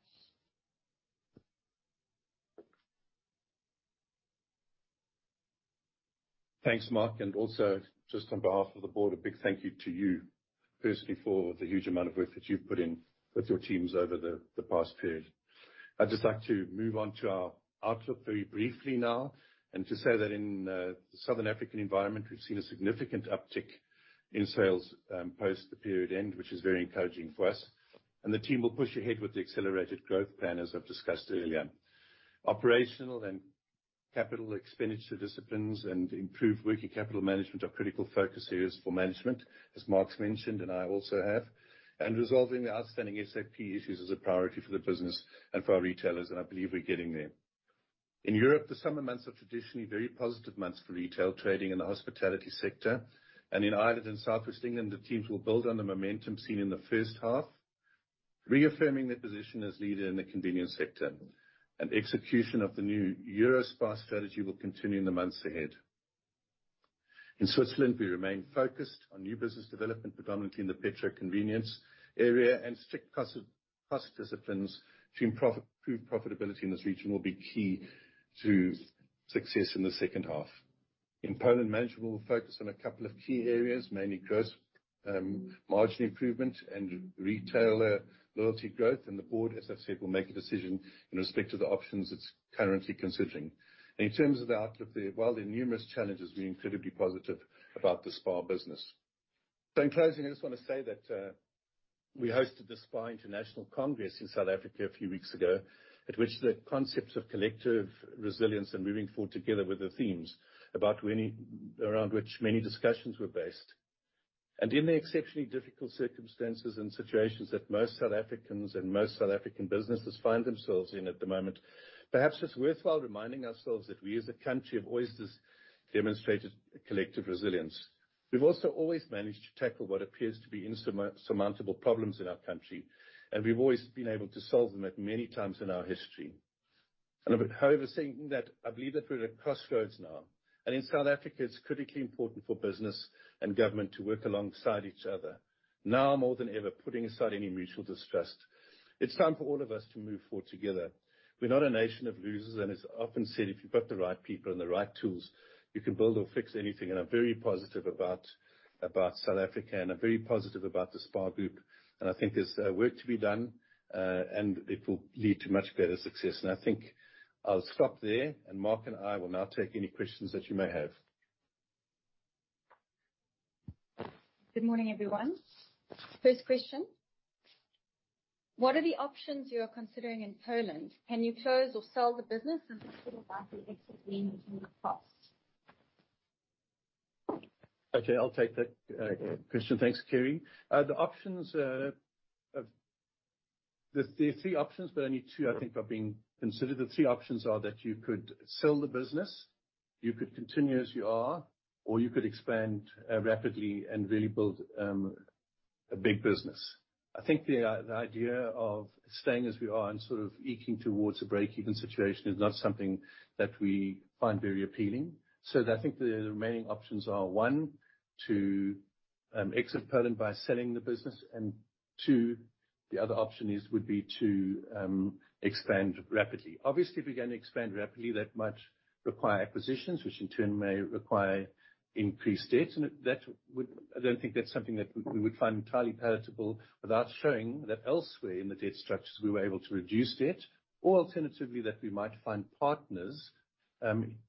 Thanks, Mark. And also just on behalf of the board, a big thank you to you personally for the huge amount of work that you've put in with your teams over the past period. I'd just like to move on to our outlook very briefly now and to say that in the Southern African environment, we've seen a significant uptick in sales post the period end, which is very encouraging for us, and the team will push ahead with the accelerated growth plan, as I've discussed earlier. Operational and capital expenditure disciplines and improved working capital management are critical focus areas for management, as Marks mentioned, and I also have, and resolving the outstanding SAP issues is a priority for the business and for our retailers, and I believe we're getting there. In Europe, the summer months are traditionally very positive months for retail trading in the hospitality sector. In Ireland and Southwest England, the teams will build on the momentum seen in the first half, reaffirming their position as leader in the convenience sector. Execution of the new EUROSPAR strategy will continue in the months ahead. In Switzerland, we remain focused on new business development, predominantly in the petro convenience area, and strict cost disciplines to improve profitability in this region will be key to success in the second half. In Poland, management will focus on a couple of key areas, mainly gross margin improvement and retailer loyalty growth. And the board, as I've said, will make a decision in respect to the options it's currently considering. And in terms of the outlook, while there are numerous challenges, we're incredibly positive about the SPAR business. So in closing, I just want to say that we hosted the SPAR International Congress in South Africa a few weeks ago, at which the concepts of collective resilience and moving forward together were the themes around which many discussions were based. And in the exceptionally difficult circumstances and situations that most South Africans and most South African businesses find themselves in at the moment, perhaps it's worthwhile reminding ourselves that we as a country have always demonstrated collective resilience. We've also always managed to tackle what appears to be insurmountable problems in our country, and we've always been able to solve them at many times in our history. And however, saying that, I believe that we're at a crossroads now. And in South Africa, it's critically important for business and government to work alongside each other, now more than ever, putting aside any mutual distrust. It's time for all of us to move forward together. We're not a nation of losers, and it's often said if you've got the right people and the right tools, you can build or fix anything. And I'm very positive about South Africa, and I'm very positive about the SPAR Group. And I think there's work to be done, and it will lead to much better success. And I think I'll stop there, and Mark and I will now take any questions that you may have. Good morning, everyone. First question. What are the options you are considering in Poland? Can you close or sell the business, and what will that be exactly in terms of cost? Okay, I'll take that question. Thanks, Kieran. The options, there are three options, but only two I think are being considered. The three options are that you could sell the business, you could continue as you are, or you could expand rapidly and really build a big business. I think the idea of staying as we are and sort of eking towards a break-even situation is not something that we find very appealing, so I think the remaining options are one, to exit Poland by selling the business, and two, the other option would be to expand rapidly. Obviously, if we're going to expand rapidly, that might require acquisitions, which in turn may require increased debt. And I don't think that's something that we would find entirely palatable without showing that elsewhere in the debt structures, we were able to reduce debt, or alternatively, that we might find partners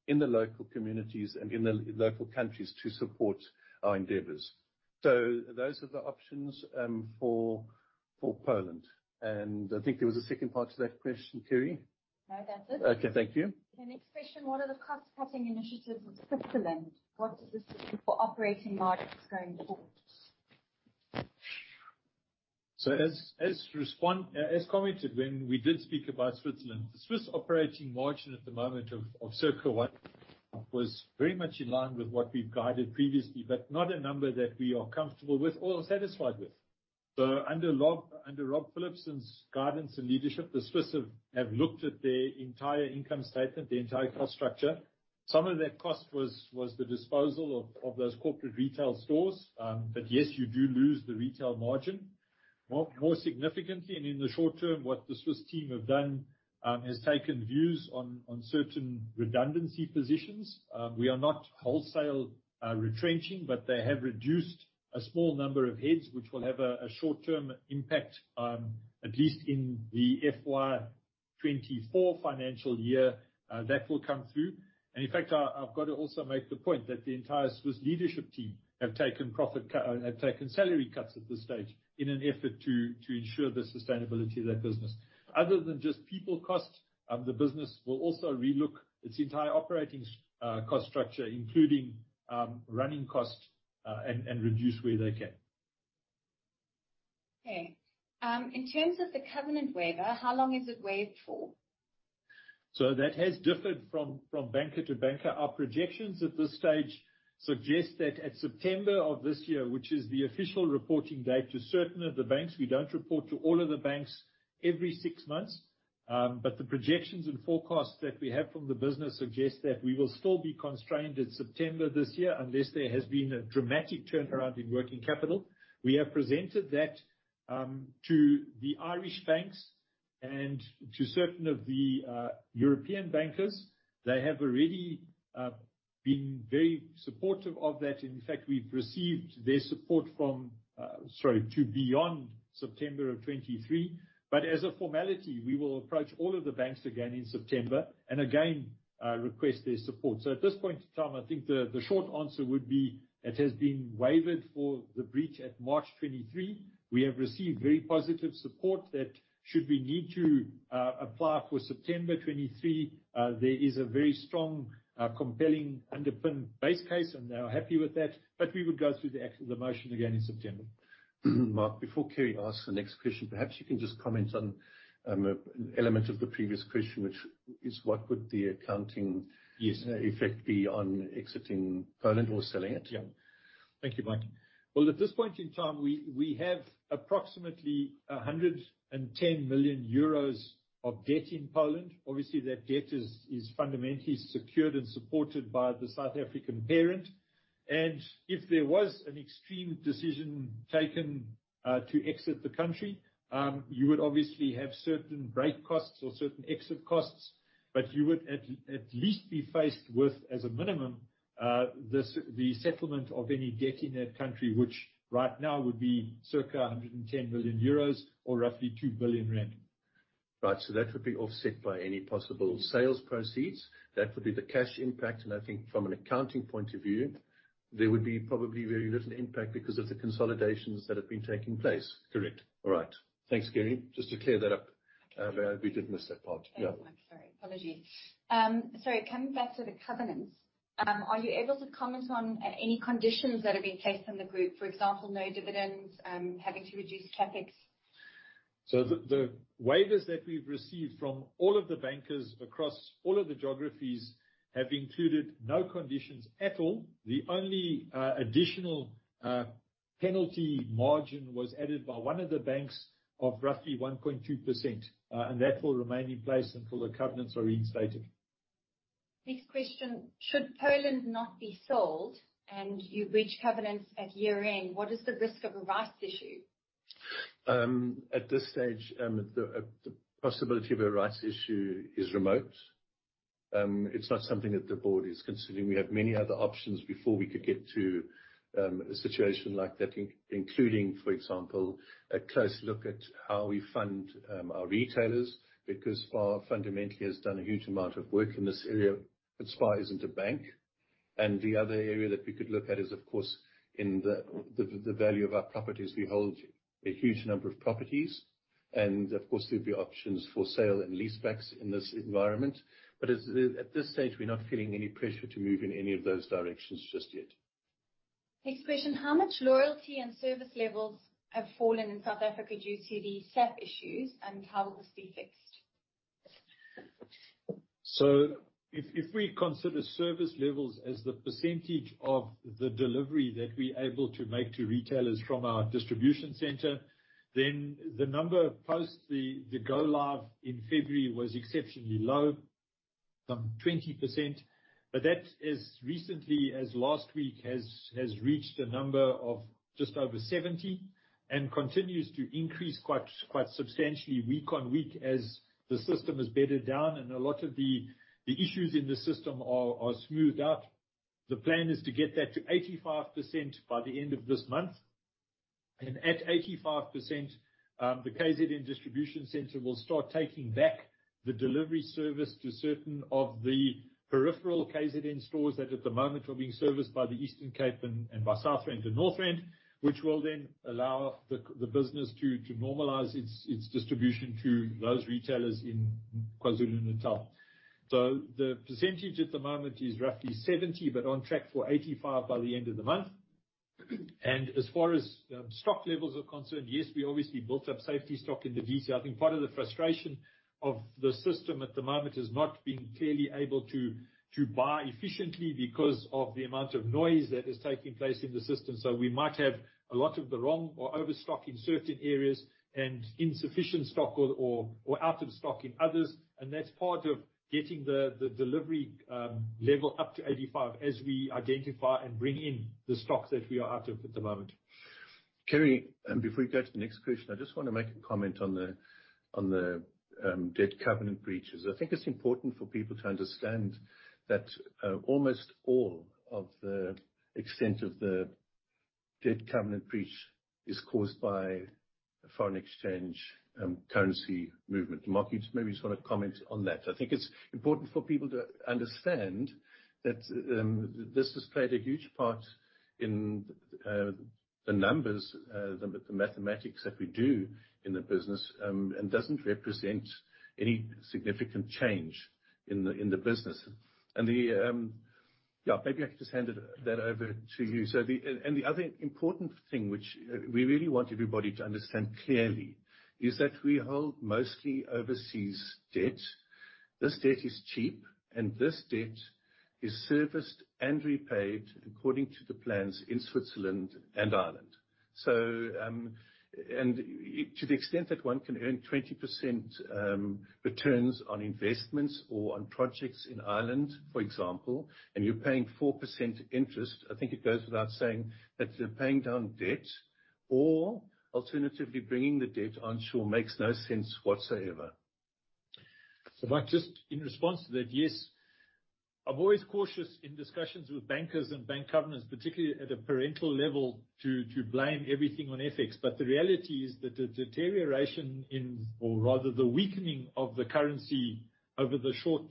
in the local communities and in the local countries to support our endeavors. So those are the options for Poland. And I think there was a second part to that question, Kieran? No, that's it. Okay, thank you. Okay, next question. What are the cost-cutting initiatives of Switzerland? What does this look like for operating margins going forward? So as commented when we did speak about Switzerland, the Swiss operating margin at the moment of circa 1% was very much in line with what we've guided previously, but not a number that we are comfortable with or satisfied with. Under Rob Philipson's guidance and leadership, the Swiss have looked at their entire income statement, their entire cost structure. Some of that cost was the disposal of those corporate retail stores. But yes, you do lose the retail margin. More significantly, and in the short term, what the Swiss team have done has taken views on certain redundancy positions. We are not wholesale retrenching, but they have reduced a small number of heads, which will have a short-term impact, at least in the FY24 financial year that will come through. And in fact, I've got to also make the point that the entire Swiss leadership team have taken salary cuts at this stage in an effort to ensure the sustainability of their business. Other than just people cost, the business will also relook its entire operating cost structure, including running cost, and reduce where they can. Okay. In terms of the covenant waiver, how long is it waived for? So that has differed from banker to banker. Our projections at this stage suggest that at SAPtember of this year, which is the official reporting date to certain of the banks, we don't report to all of the banks every six months. But the projections and forecasts that we have from the business suggest that we will still be constrained at SAPtember this year unless there has been a dramatic turnaround in working capital. We have presented that to the Irish banks and to certain of the European bankers. They have already been very supportive of that. In fact, we've received their support from, sorry, to beyond SAPtember of 2023. But as a formality, we will approach all of the banks again in SAPtember and again request their support. At this point in time, I think the short answer would be it has been waived for the breach at March 2023. We have received very positive support that should we need to apply for SAPtember 2023, there is a very strong, compelling underpin base case, and they are happy with that. But we would go through the actual motion again in SAPtember. Mark, before Kieran asks the next question, perhaps you can just comment on an element of the previous question, which is what would the accounting effect be on exiting Poland or selling it? Yeah. Thank you, Mike. Well, at this point in time, we have approximately 110 million euros of debt in Poland. Obviously, that debt is fundamentally secured and supported by the South African parent. And if there was an extreme decision taken to exit the country, you would obviously have certain break costs or certain exit costs, but you would at least be faced with, as a minimum, the settlement of any debt in that country, which right now would be circa 110 million euros or roughly EUR 2 billion. Right. So that would be offset by any possible sales proceeds. That would be the cash impact. And I think from an accounting point of view, there would be probably very little impact because of the consolidations that have been taking place. Correct. All right. Thanks, Kieran. Just to clear that up, we did miss that part. Yeah. I'm sorry. Apologies. Sorry, coming back to the covenants, are you able to comment on any conditions that have been placed in the group? For example, no dividends, having to reduce CapEx. The waivers that we've received from all of the bankers across all of the geographies have included no conditions at all. The only additional penalty margin was added by one of the banks of roughly 1.2%, and that will remain in place until the covenants are reinstated. Next question. Should Poland not be sold and you breach covenants at year-end, what is the risk of a rights issue? At this stage, the possibility of a rights issue is remote. It's not something that the board is considering. We have many other options before we could get to a situation like that, including, for example, a close look at how we fund our retailers, because SPAR fundamentally has done a huge amount of work in this area. SPAR isn't a bank. And the other area that we could look at is, of course, in the value of our properties. We hold a huge number of properties. And of course, there'd be options for sale and lease backs in this environment. But at this stage, we're not feeling any pressure to move in any of those directions just yet. Next question. How much loyalty and service levels have fallen in South Africa due to the SAP issues, and how will this be fixed? So if we consider service levels as the percentage of the delivery that we're able to make to retailers from our distribution center, then the number post the go-live in February was exceptionally low, some 20%. But that, as recently as last week, has reached a number of just over 70% and continues to increase quite substantially week on week as the system is bedded down, and a lot of the issues in the system are smoothed out. The plan is to get that to 85% by the end of this month. And at 85%, the KZN distribution center will start taking back the delivery service to certain of the peripheral KZN stores that at the moment are being serviced by the Eastern Cape and by South and the North Rand, which will then allow the business to normalize its distribution to those retailers in KwaZulu-Natal. So the percentage at the moment is roughly 70%, but on track for 85% by the end of the month. And as far as stock levels are concerned, yes, we obviously built up safety stock in the DC. I think part of the frustration of the system at the moment is not being clearly able to buy efficiently because of the amount of noise that is taking place in the system. So we might have a lot of the wrong or overstock in certain areas and insufficient stock or out of stock in others. And that's part of getting the delivery level up to 85% as we identify and bring in the stock that we are out of at the moment. Kieran, before we go to the next question, I just want to make a comment on the debt covenant breaches. I think it's important for people to understand that almost all of the extent of the debt covenant breach is caused by foreign exchange currency movement. Mark, you maybe just want to comment on that. I think it's important for people to understand that this has played a huge part in the numbers, the mathematics that we do in the business, and doesn't represent any significant change in the business. Yeah, maybe I could just hand that over to you. The other important thing which we really want everybody to understand clearly is that we hold mostly overseas debt. This debt is cheap, and this debt is serviced and repaid according to the plans in Switzerland and Ireland. To the extent that one can earn 20% returns on investments or on projects in Ireland, for example, and you're paying 4% interest, I think it goes without saying that you're paying down debt, or alternatively, bringing the debt on shore makes no sense whatsoever. Mike, just in response to that, yes, I've always cautious in discussions with bankers and bank covenants, particularly at a parental level, to blame everything on FX. The reality is that the deterioration in, or rather the weakening of the currency over the short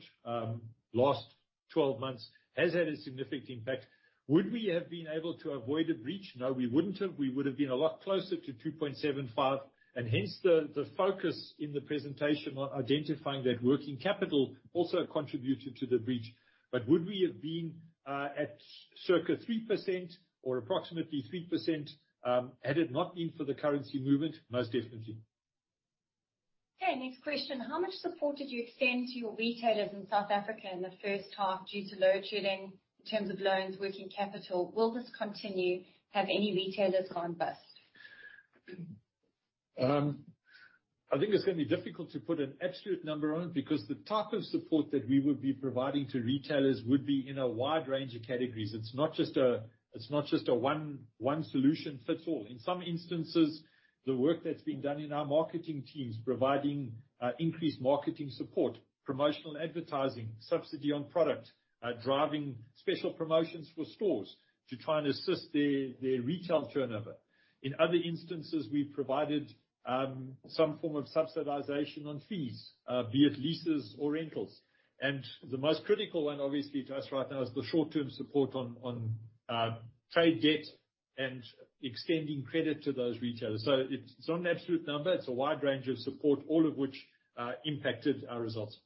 last 12 months has had a significant impact. Would we have been able to avoid a breach? No, we wouldn't have. We would have been a lot closer to 2.75, and hence, the focus in the presentation on identifying that working capital also contributed to the breach, but would we have been at circa 3% or approximately 3% had it not been for the currency movement? Most definitely. Okay. Next question. How much support did you extend to your retailers in South Africa in the first half due to load-shedding in terms of loans, working capital? Will this continue? Have any retailers gone bust? I think it's going to be difficult to put an absolute number on it because the type of support that we would be providing to retailers would be in a wide range of categories. It's not just a one-size-fits-all. In some instances, the work that's been done in our marketing teams providing increased marketing support, promotional advertising, subsidy on product, driving special promotions for stores to try and assist their retail turnover. In other instances, we provided some form of subsidization on fees, be it leases or rentals, and the most critical one, obviously, to us right now is the short-term support on trade debt and extending credit to those retailers, so it's not an absolute number. It's a wide range of support, all of which impacted our results.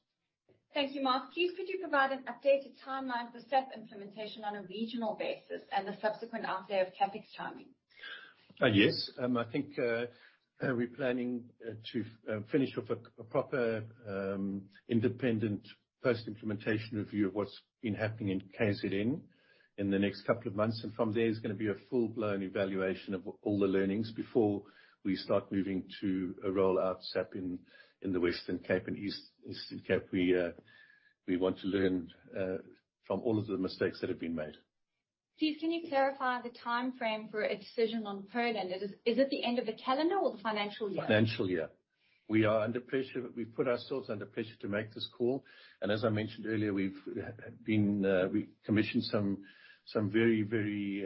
Thank you, Mark. Please could you provide an updated timeline for SAP implementation on a regional basis and the subsequent update of CapEx timing? Yes. I think we're planning to finish off a proper independent post-implementation review of what's been happening in KZN in the next couple of months. And from there, there's going to be a full-blown evaluation of all the learnings before we start moving to a rollout SAP in the Western Cape and Eastern Cape. We want to learn from all of the mistakes that have been made. Please can you clarify the timeframe for a decision on Poland? Is it the end of the calendar or the financial year? Financial year. We are under pressure. We've put ourselves under pressure to make this call. And as I mentioned earlier, we've commissioned some very, very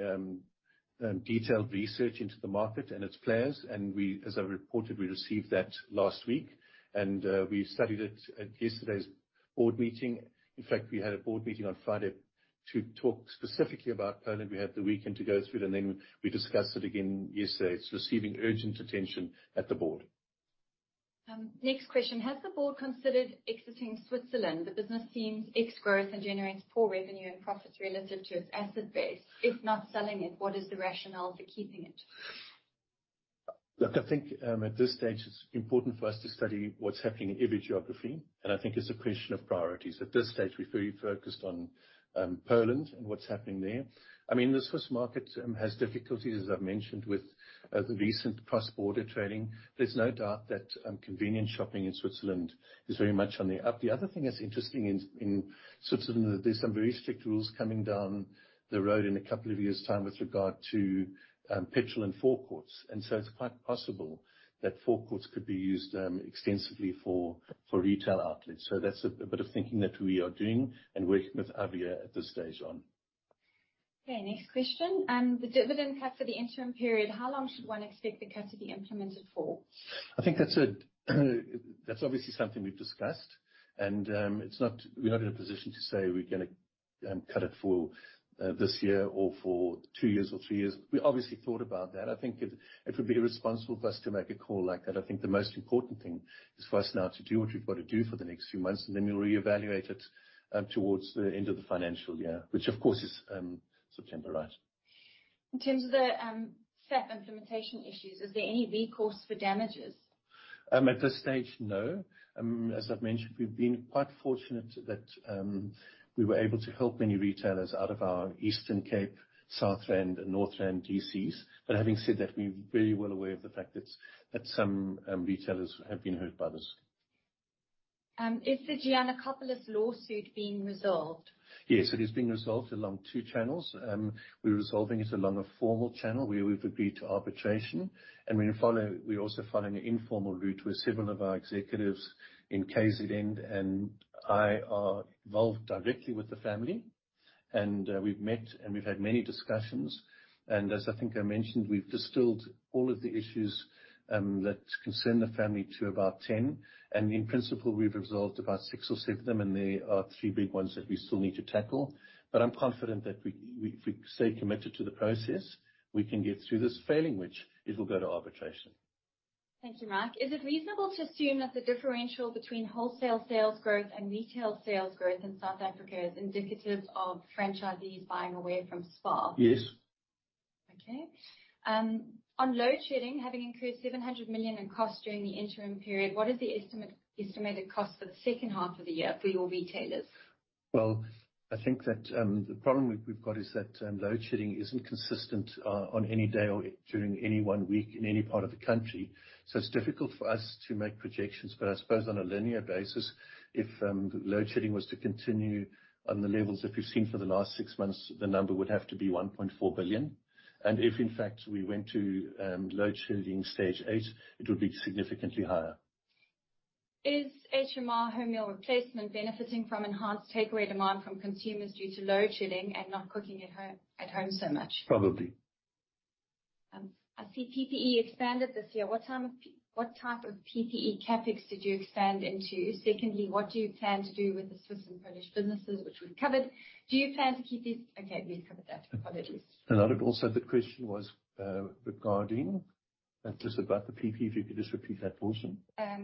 detailed research into the market and its players. And as I reported, we received that last week. And we studied it at yesterday's board meeting. In fact, we had a board meeting on Friday to talk specifically about Poland. We had the weekend to go through it. And then we discussed it again yesterday. It's receiving urgent attention at the board. Next question. Has the board considered exiting Switzerland? The business seems ex-growth and generates poor revenue and profits relative to its asset base. If not selling it, what is the rationale for keeping it? Look, I think at this stage, it's important for us to study what's happening in every geography, and I think it's a question of priorities. At this stage, we're very focused on Poland and what's happening there. I mean, the Swiss market has difficulties, as I've mentioned, with the recent cross-border trading. There's no doubt that convenience shopping in Switzerland is very much on the up. The other thing that's interesting in Switzerland is there's some very strict rules coming down the road in a couple of years' time with regard to petrol and forecourts, and so it's quite possible that forecourts could be used extensively for retail outlets. So that's a bit of thinking that we are doing and working with Avia at this stage on. Okay. Next question. The dividend cut for the interim period, how long should one expect the cut to be implemented for? I think that's obviously something we've discussed. And we're not in a position to say we're going to cut it for this year or for two years or three years. We obviously thought about that. I think it would be irresponsible for us to make a call like that. I think the most important thing is for us now to do what we've got to do for the next few months, and then we'll reevaluate it towards the end of the financial year, which of course is September, right? In terms of the SAP implementation issues, is there any recourse for damages? At this stage, no. As I've mentioned, we've been quite fortunate that we were able to help many retailers out of our Eastern Cape, South Rand, and North Rand DCs. But having said that, we're very well aware of the fact that some retailers have been hurt by this. Is the Giannacopoulos lawsuit being resolved? Yes, it is being resolved along two channels. We're resolving it along a formal channel where we've agreed to arbitration, and we're also following an informal route where several of our executives in KZN and I are involved directly with the family, and we've met, and we've had many discussions, and as I think I mentioned, we've distilled all of the issues that concern the family to about 10. And in principle, we've resolved about six or seven of them, and there are three big ones that we still need to tackle. But I'm confident that if we stay committed to the process, we can get through this failing, which it will go to arbitration. Thank you, Mark. Is it reasonable to assume that the differential between wholesale sales growth and retail sales growth in South Africa is indicative of franchisees buying away from SPAR? Yes. Okay. On load-shedding, having incurred 700 million in cost during the interim period, what is the estimated cost for the second half of the year for your retailers? Well, I think that the problem we've got is that load-shedding isn't consistent on any day or during any one week in any part of the country. So it's difficult for us to make projections. But I suppose on a linear basis, if load-shedding was to continue on the levels that we've seen for the last six months, the number would have to be 1.4 billion. And if in fact we went to load-shedding stage eight, it would be significantly higher. Is HMR home meal replacement benefiting from enhanced takeaway demand from consumers due to load-shedding and not cooking at home so much? Probably. I see PPE expanded this year. What type of PPE CapEx did you expand into? Secondly, what do you plan to do with the Swiss and Polish businesses, which we've covered? Do you plan to keep these? Okay, we've covered that. Apologies. Another also the question was regarding just about the PPE, if you could just repeat that portion.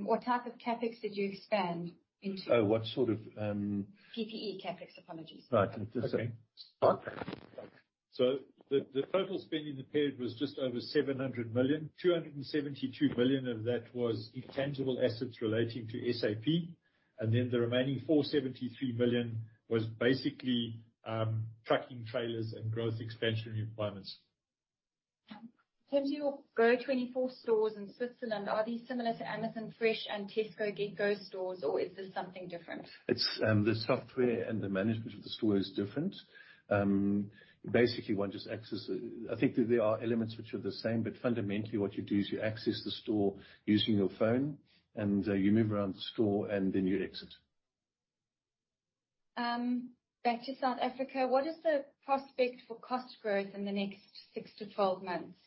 What type of CapEx did you expand into? What sort of? PPE CapEx, apologies. Right. Okay. So the total spending in the period was just over 700 million. 272 million of that was intangible assets relating to SAP. And then the remaining 473 million was basically trucking trailers and growth expansion requirements. In terms of your GO24 stores in Switzerland, are these similar to Amazon Fresh and Tesco GetGo stores, or is this something different? The software and the management of the store is different. Basically, one just accesses it. I think that there are elements which are the same, but fundamentally, what you do is you access the store using your phone, and you move around the store, and then you exit. Back to South Africa, what is the prospect for cost growth in the next 6-12 months?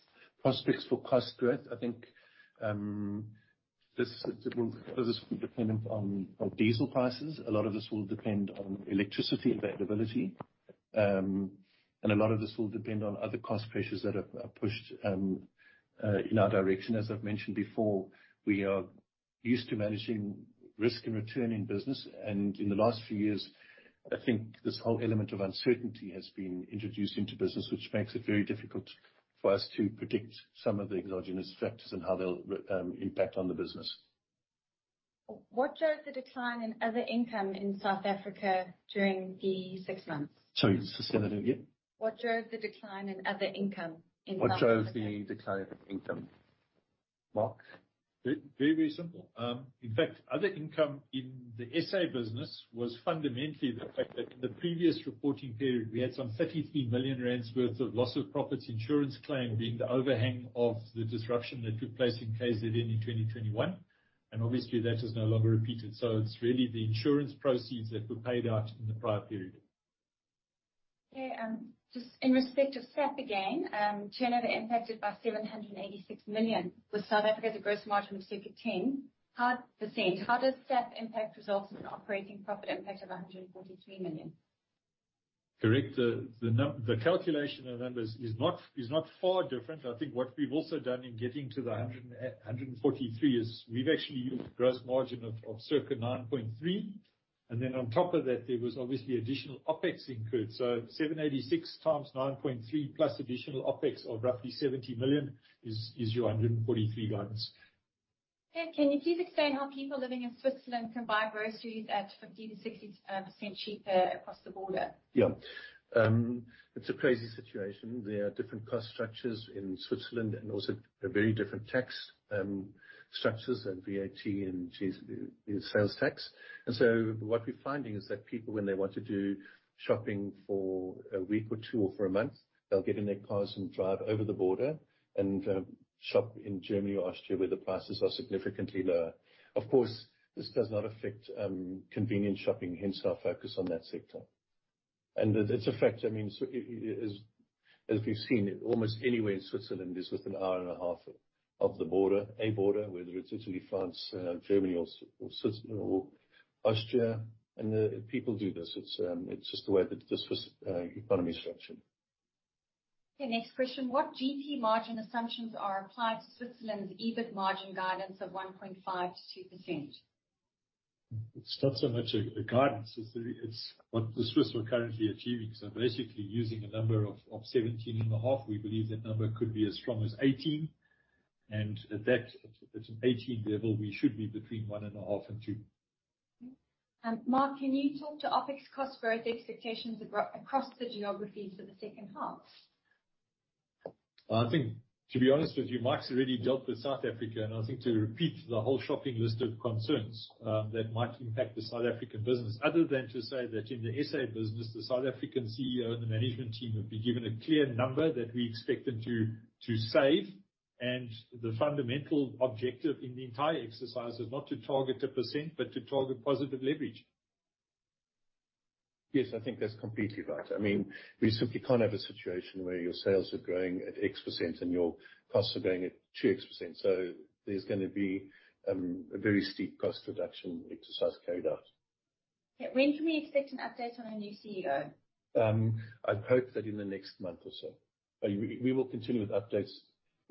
Prospects for cost growth, I think this will depend on diesel prices. A lot of this will depend on electricity availability. A lot of this will depend on other cost pressures that are pushed in our direction. As I've mentioned before, we are used to managing risk and return in business. In the last few years, I think this whole element of uncertainty has been introduced into business, which makes it very difficult for us to predict some of the exogenous factors and how they'll impact on the business. What drove the decline in other income in South Africa during the six months? Sorry, just say that again. What drove the decline in other income in South Africa? What drove the decline in income? Mark? Very, very simple. In fact, other income in the SA business was fundamentally the fact that in the previous reporting period, we had some 33 million rand worth of loss of profits insurance claim being the overhang of the disruption that took place in KZN in 2021. And obviously, that has no longer repeated. So it's really the insurance proceeds that were paid out in the prior period. Okay. Just in respect of SPAR again, the chain were impacted by 786 million. With South Africa's gross margin of circa 10%, how does SPAR impact results in an operating profit impact of 143 million? Correct. The calculation of numbers is not far different. I think what we've also done in getting to the 143 is we've actually used gross margin of circa 9.3. And then on top of that, there was obviously additional OpEx incurred. So 786 times 9.3 plus additional OpEx of roughly 70 million is your 143 million guidance. Okay. Can you please explain how people living in Switzerland can buy groceries at 50%-60% cheaper across the border? Yeah. It's a crazy situation. There are different cost structures in Switzerland and also very different tax structures and VAT and sales tax. And so what we're finding is that people, when they want to do shopping for a week or two or for a month, they'll get in their cars and drive over the border and shop in Germany or Austria where the prices are significantly lower. Of course, this does not affect convenience shopping, hence our focus on that sector. And it's a fact. I mean, as we've seen, almost anywhere in Switzerland is within an hour and a half of the border, whether it's Italy, France, Germany, or Austria. People do this. It's just the way that the Swiss economy is structured. Okay. Next question. What GP margin assumptions are applied to Switzerland's EBIT margin guidance of 1.5%-2%? It's not so much a guidance. It's what the Swiss are currently achieving. So basically, using a number of 17.5, we believe that number could be as strong as 18. And at that 18 level, we should be between 1.5% and 2%. Mark, can you talk to OpEx cost growth expectations across the geographies for the second half? I think, to be honest with you, Mike's already dealt with South Africa. And I think to repeat the whole shopping list of concerns that might impact the South African business, other than to say that in the SA business, the South African CEO and the management team have been given a clear number that we expect them to save. And the fundamental objective in the entire exercise is not to target a %, but to target positive leverage. Yes, I think that's completely right. I mean, we simply can't have a situation where your sales are growing at X% and your costs are going at 2X%. So there's going to be a very steep cost reduction exercise carried out. Okay. When can we expect an update on our new CEO? I'd hope that in the next month or so. We will continue with updates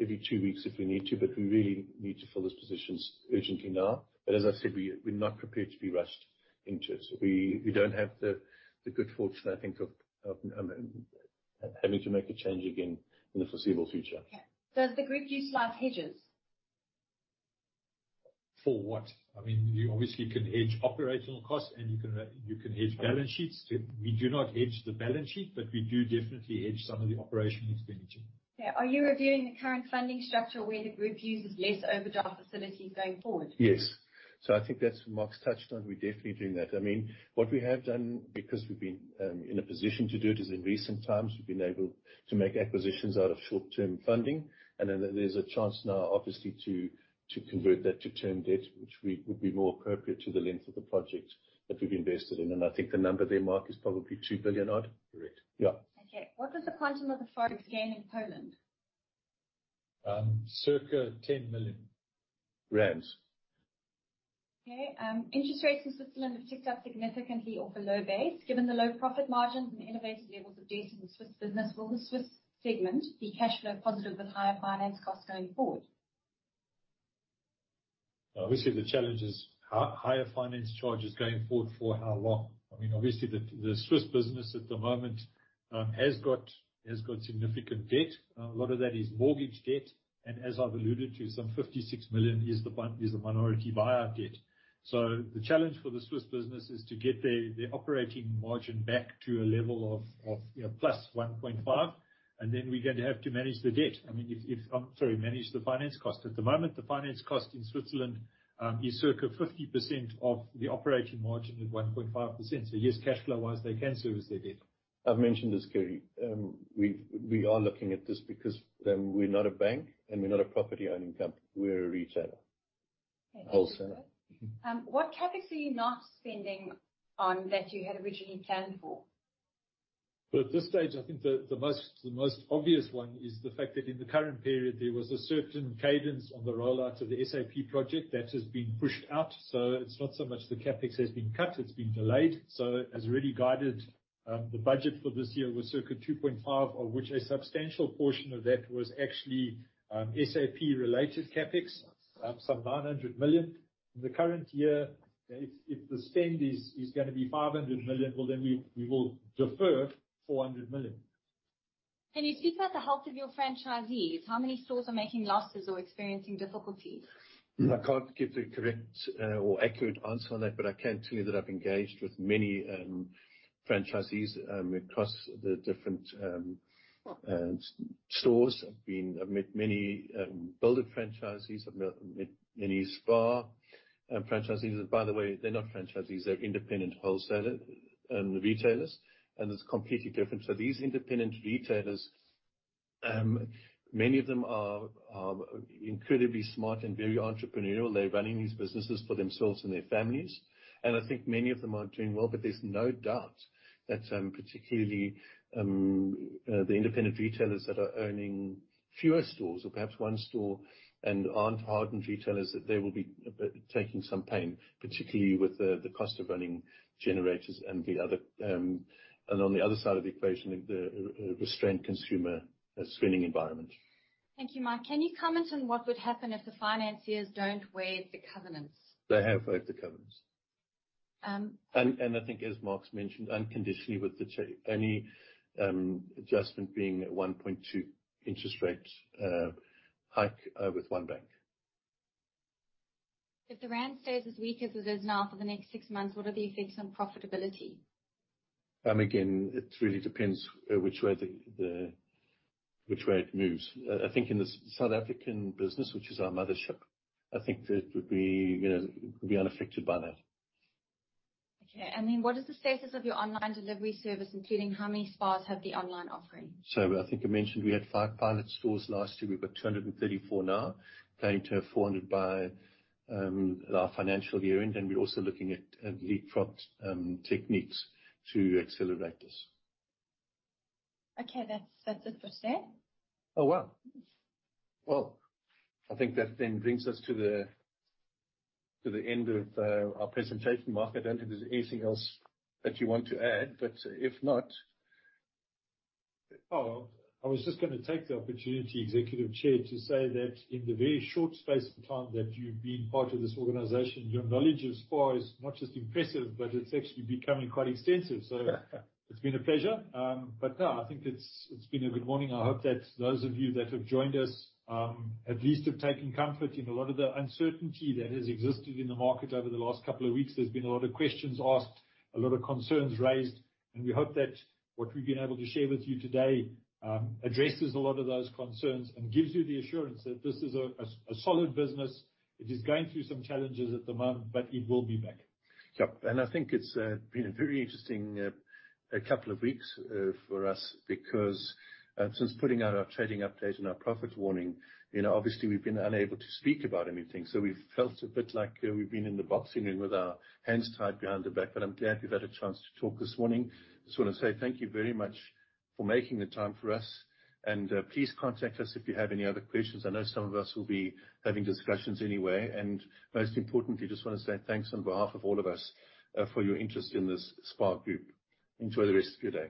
every two weeks if we need to, but we really need to fill this position urgently now. But as I said, we're not prepared to be rushed into it. So we don't have the good fortune, I think, of having to make a change again in the foreseeable future. Okay. Does the group utilize hedges? For what? I mean, you obviously can hedge operational costs, and you can hedge balance sheets. We do not hedge the balance sheet, but we do definitely hedge some of the operational expenditure. Okay. Are you reviewing the current funding structure where the group uses less overdraft facilities going forward? Yes. So I think that's Mark's touched on. We're definitely doing that. I mean, what we have done because we've been in a position to do it is in recent times, we've been able to make acquisitions out of short-term funding. And then there's a chance now, obviously, to convert that to term debt, which would be more appropriate to the length of the project that we've invested in. And I think the number there, Mark, is probably 2 billion odd. Correct. Yeah. Okay. What was the quantum of the forex gain in Poland? Circa 10 million rand. Okay. Interest rates in Switzerland have ticked up significantly off a low base. Given the low profit margins and elevated levels of debt in the Swiss business, will the Swiss segment be cash flow positive with higher finance costs going forward? Obviously, the challenge is higher finance charges going forward for how long? I mean, obviously, the Swiss business at the moment has got significant debt. A lot of that is mortgage debt. And as I've alluded to, some 56 million is the minority buyout debt. So the challenge for the Swiss business is to get their operating margin back to a level of plus 1.5. And then we're going to have to manage the debt. I mean, sorry, manage the finance cost. At the moment, the finance cost in Switzerland is circa 50% of the operating margin at 1.5%. So yes, cash flow-wise, they can service their debt. I've mentioned this clearly. We are looking at this because we're not a bank, and we're not a property-owning company. We're a retailer, wholesaler. What CapEx are you not spending on that you had originally planned for? At this stage, I think the most obvious one is the fact that in the current period, there was a certain cadence on the rollout of the SAP project that has been pushed out. So it's not so much the CapEx has been cut. It's been delayed. So as already guided, the budget for this year was circa 2.5 billion, of which a substantial portion of that was actually SAP-related CapEx, some 900 million. In the current year, if the spend is going to be 500 million, well, then we will defer 400 million. Can you speak about the health of your franchisees? How many stores are making losses or experiencing difficulties? I can't give the correct or accurate answer on that, but I can tell you that I've engaged with many franchisees across the different stores. I've met many Build It franchisees. I've met many SPAR franchisees. By the way, they're not franchisees; they're independent wholesalers, retailers. It's completely different. These independent retailers, many of them are incredibly smart and very entrepreneurial. They're running these businesses for themselves and their families. I think many of them are doing well. There's no doubt that particularly the independent retailers that are owning fewer stores or perhaps one store and aren't hardened retailers, that they will be taking some pain, particularly with the cost of running generators and the other side of the equation, the restrained consumer spending environment. Thank you, Mike. Can you comment on what would happen if the financiers don't waive the covenants? They have waived the covenants. I think, as Mark's mentioned, unconditionally with any adjustment being a 1.2 interest rate hike with one bank. If the rand stays as weak as it is now for the next six months, what are the effects on profitability? Again, it really depends which way it moves. I think in the South African business, which is our mothership, I think that it would be unaffected by that. Okay. And then what is the status of your online delivery service, including how many SPARs have the online offering? So I think I mentioned we had five pilot stores last year. We've got 234 now, planning to have 400 by our financial year. And then we're also looking at leapfrog techniques to accelerate this. Okay. That's it for today. Oh, wow. Well, I think that then brings us to the end of our presentation, Mark. I don't think there's anything else that you want to add. But if not, I was just going to take the opportunity, Executive Chair, to say that in the very short space of time that you've been part of this organization, your knowledge of SPAR is not just impressive, but it's actually becoming quite extensive. So it's been a pleasure. But no, I think it's been a good morning. I hope that those of you that have joined us at least have taken comfort in a lot of the uncertainty that has existed in the market over the last couple of weeks. There's been a lot of questions asked, a lot of concerns raised. And we hope that what we've been able to share with you today addresses a lot of those concerns and gives you the assurance that this is a solid business. It is going through some challenges at the moment, but it will be back. Yep. I think it's been a very interesting couple of weeks for us because since putting out our trading update and our profit warning, obviously, we've been unable to speak about anything. So we've felt a bit like we've been in the boxing ring with our hands tied behind the back. But I'm glad we've had a chance to talk this morning. I just want to say thank you very much for making the time for us. And please contact us if you have any other questions. I know some of us will be having discussions anyway. And most importantly, I just want to say thanks on behalf of all of us for your interest in this SPAR Group. Enjoy the rest of your day.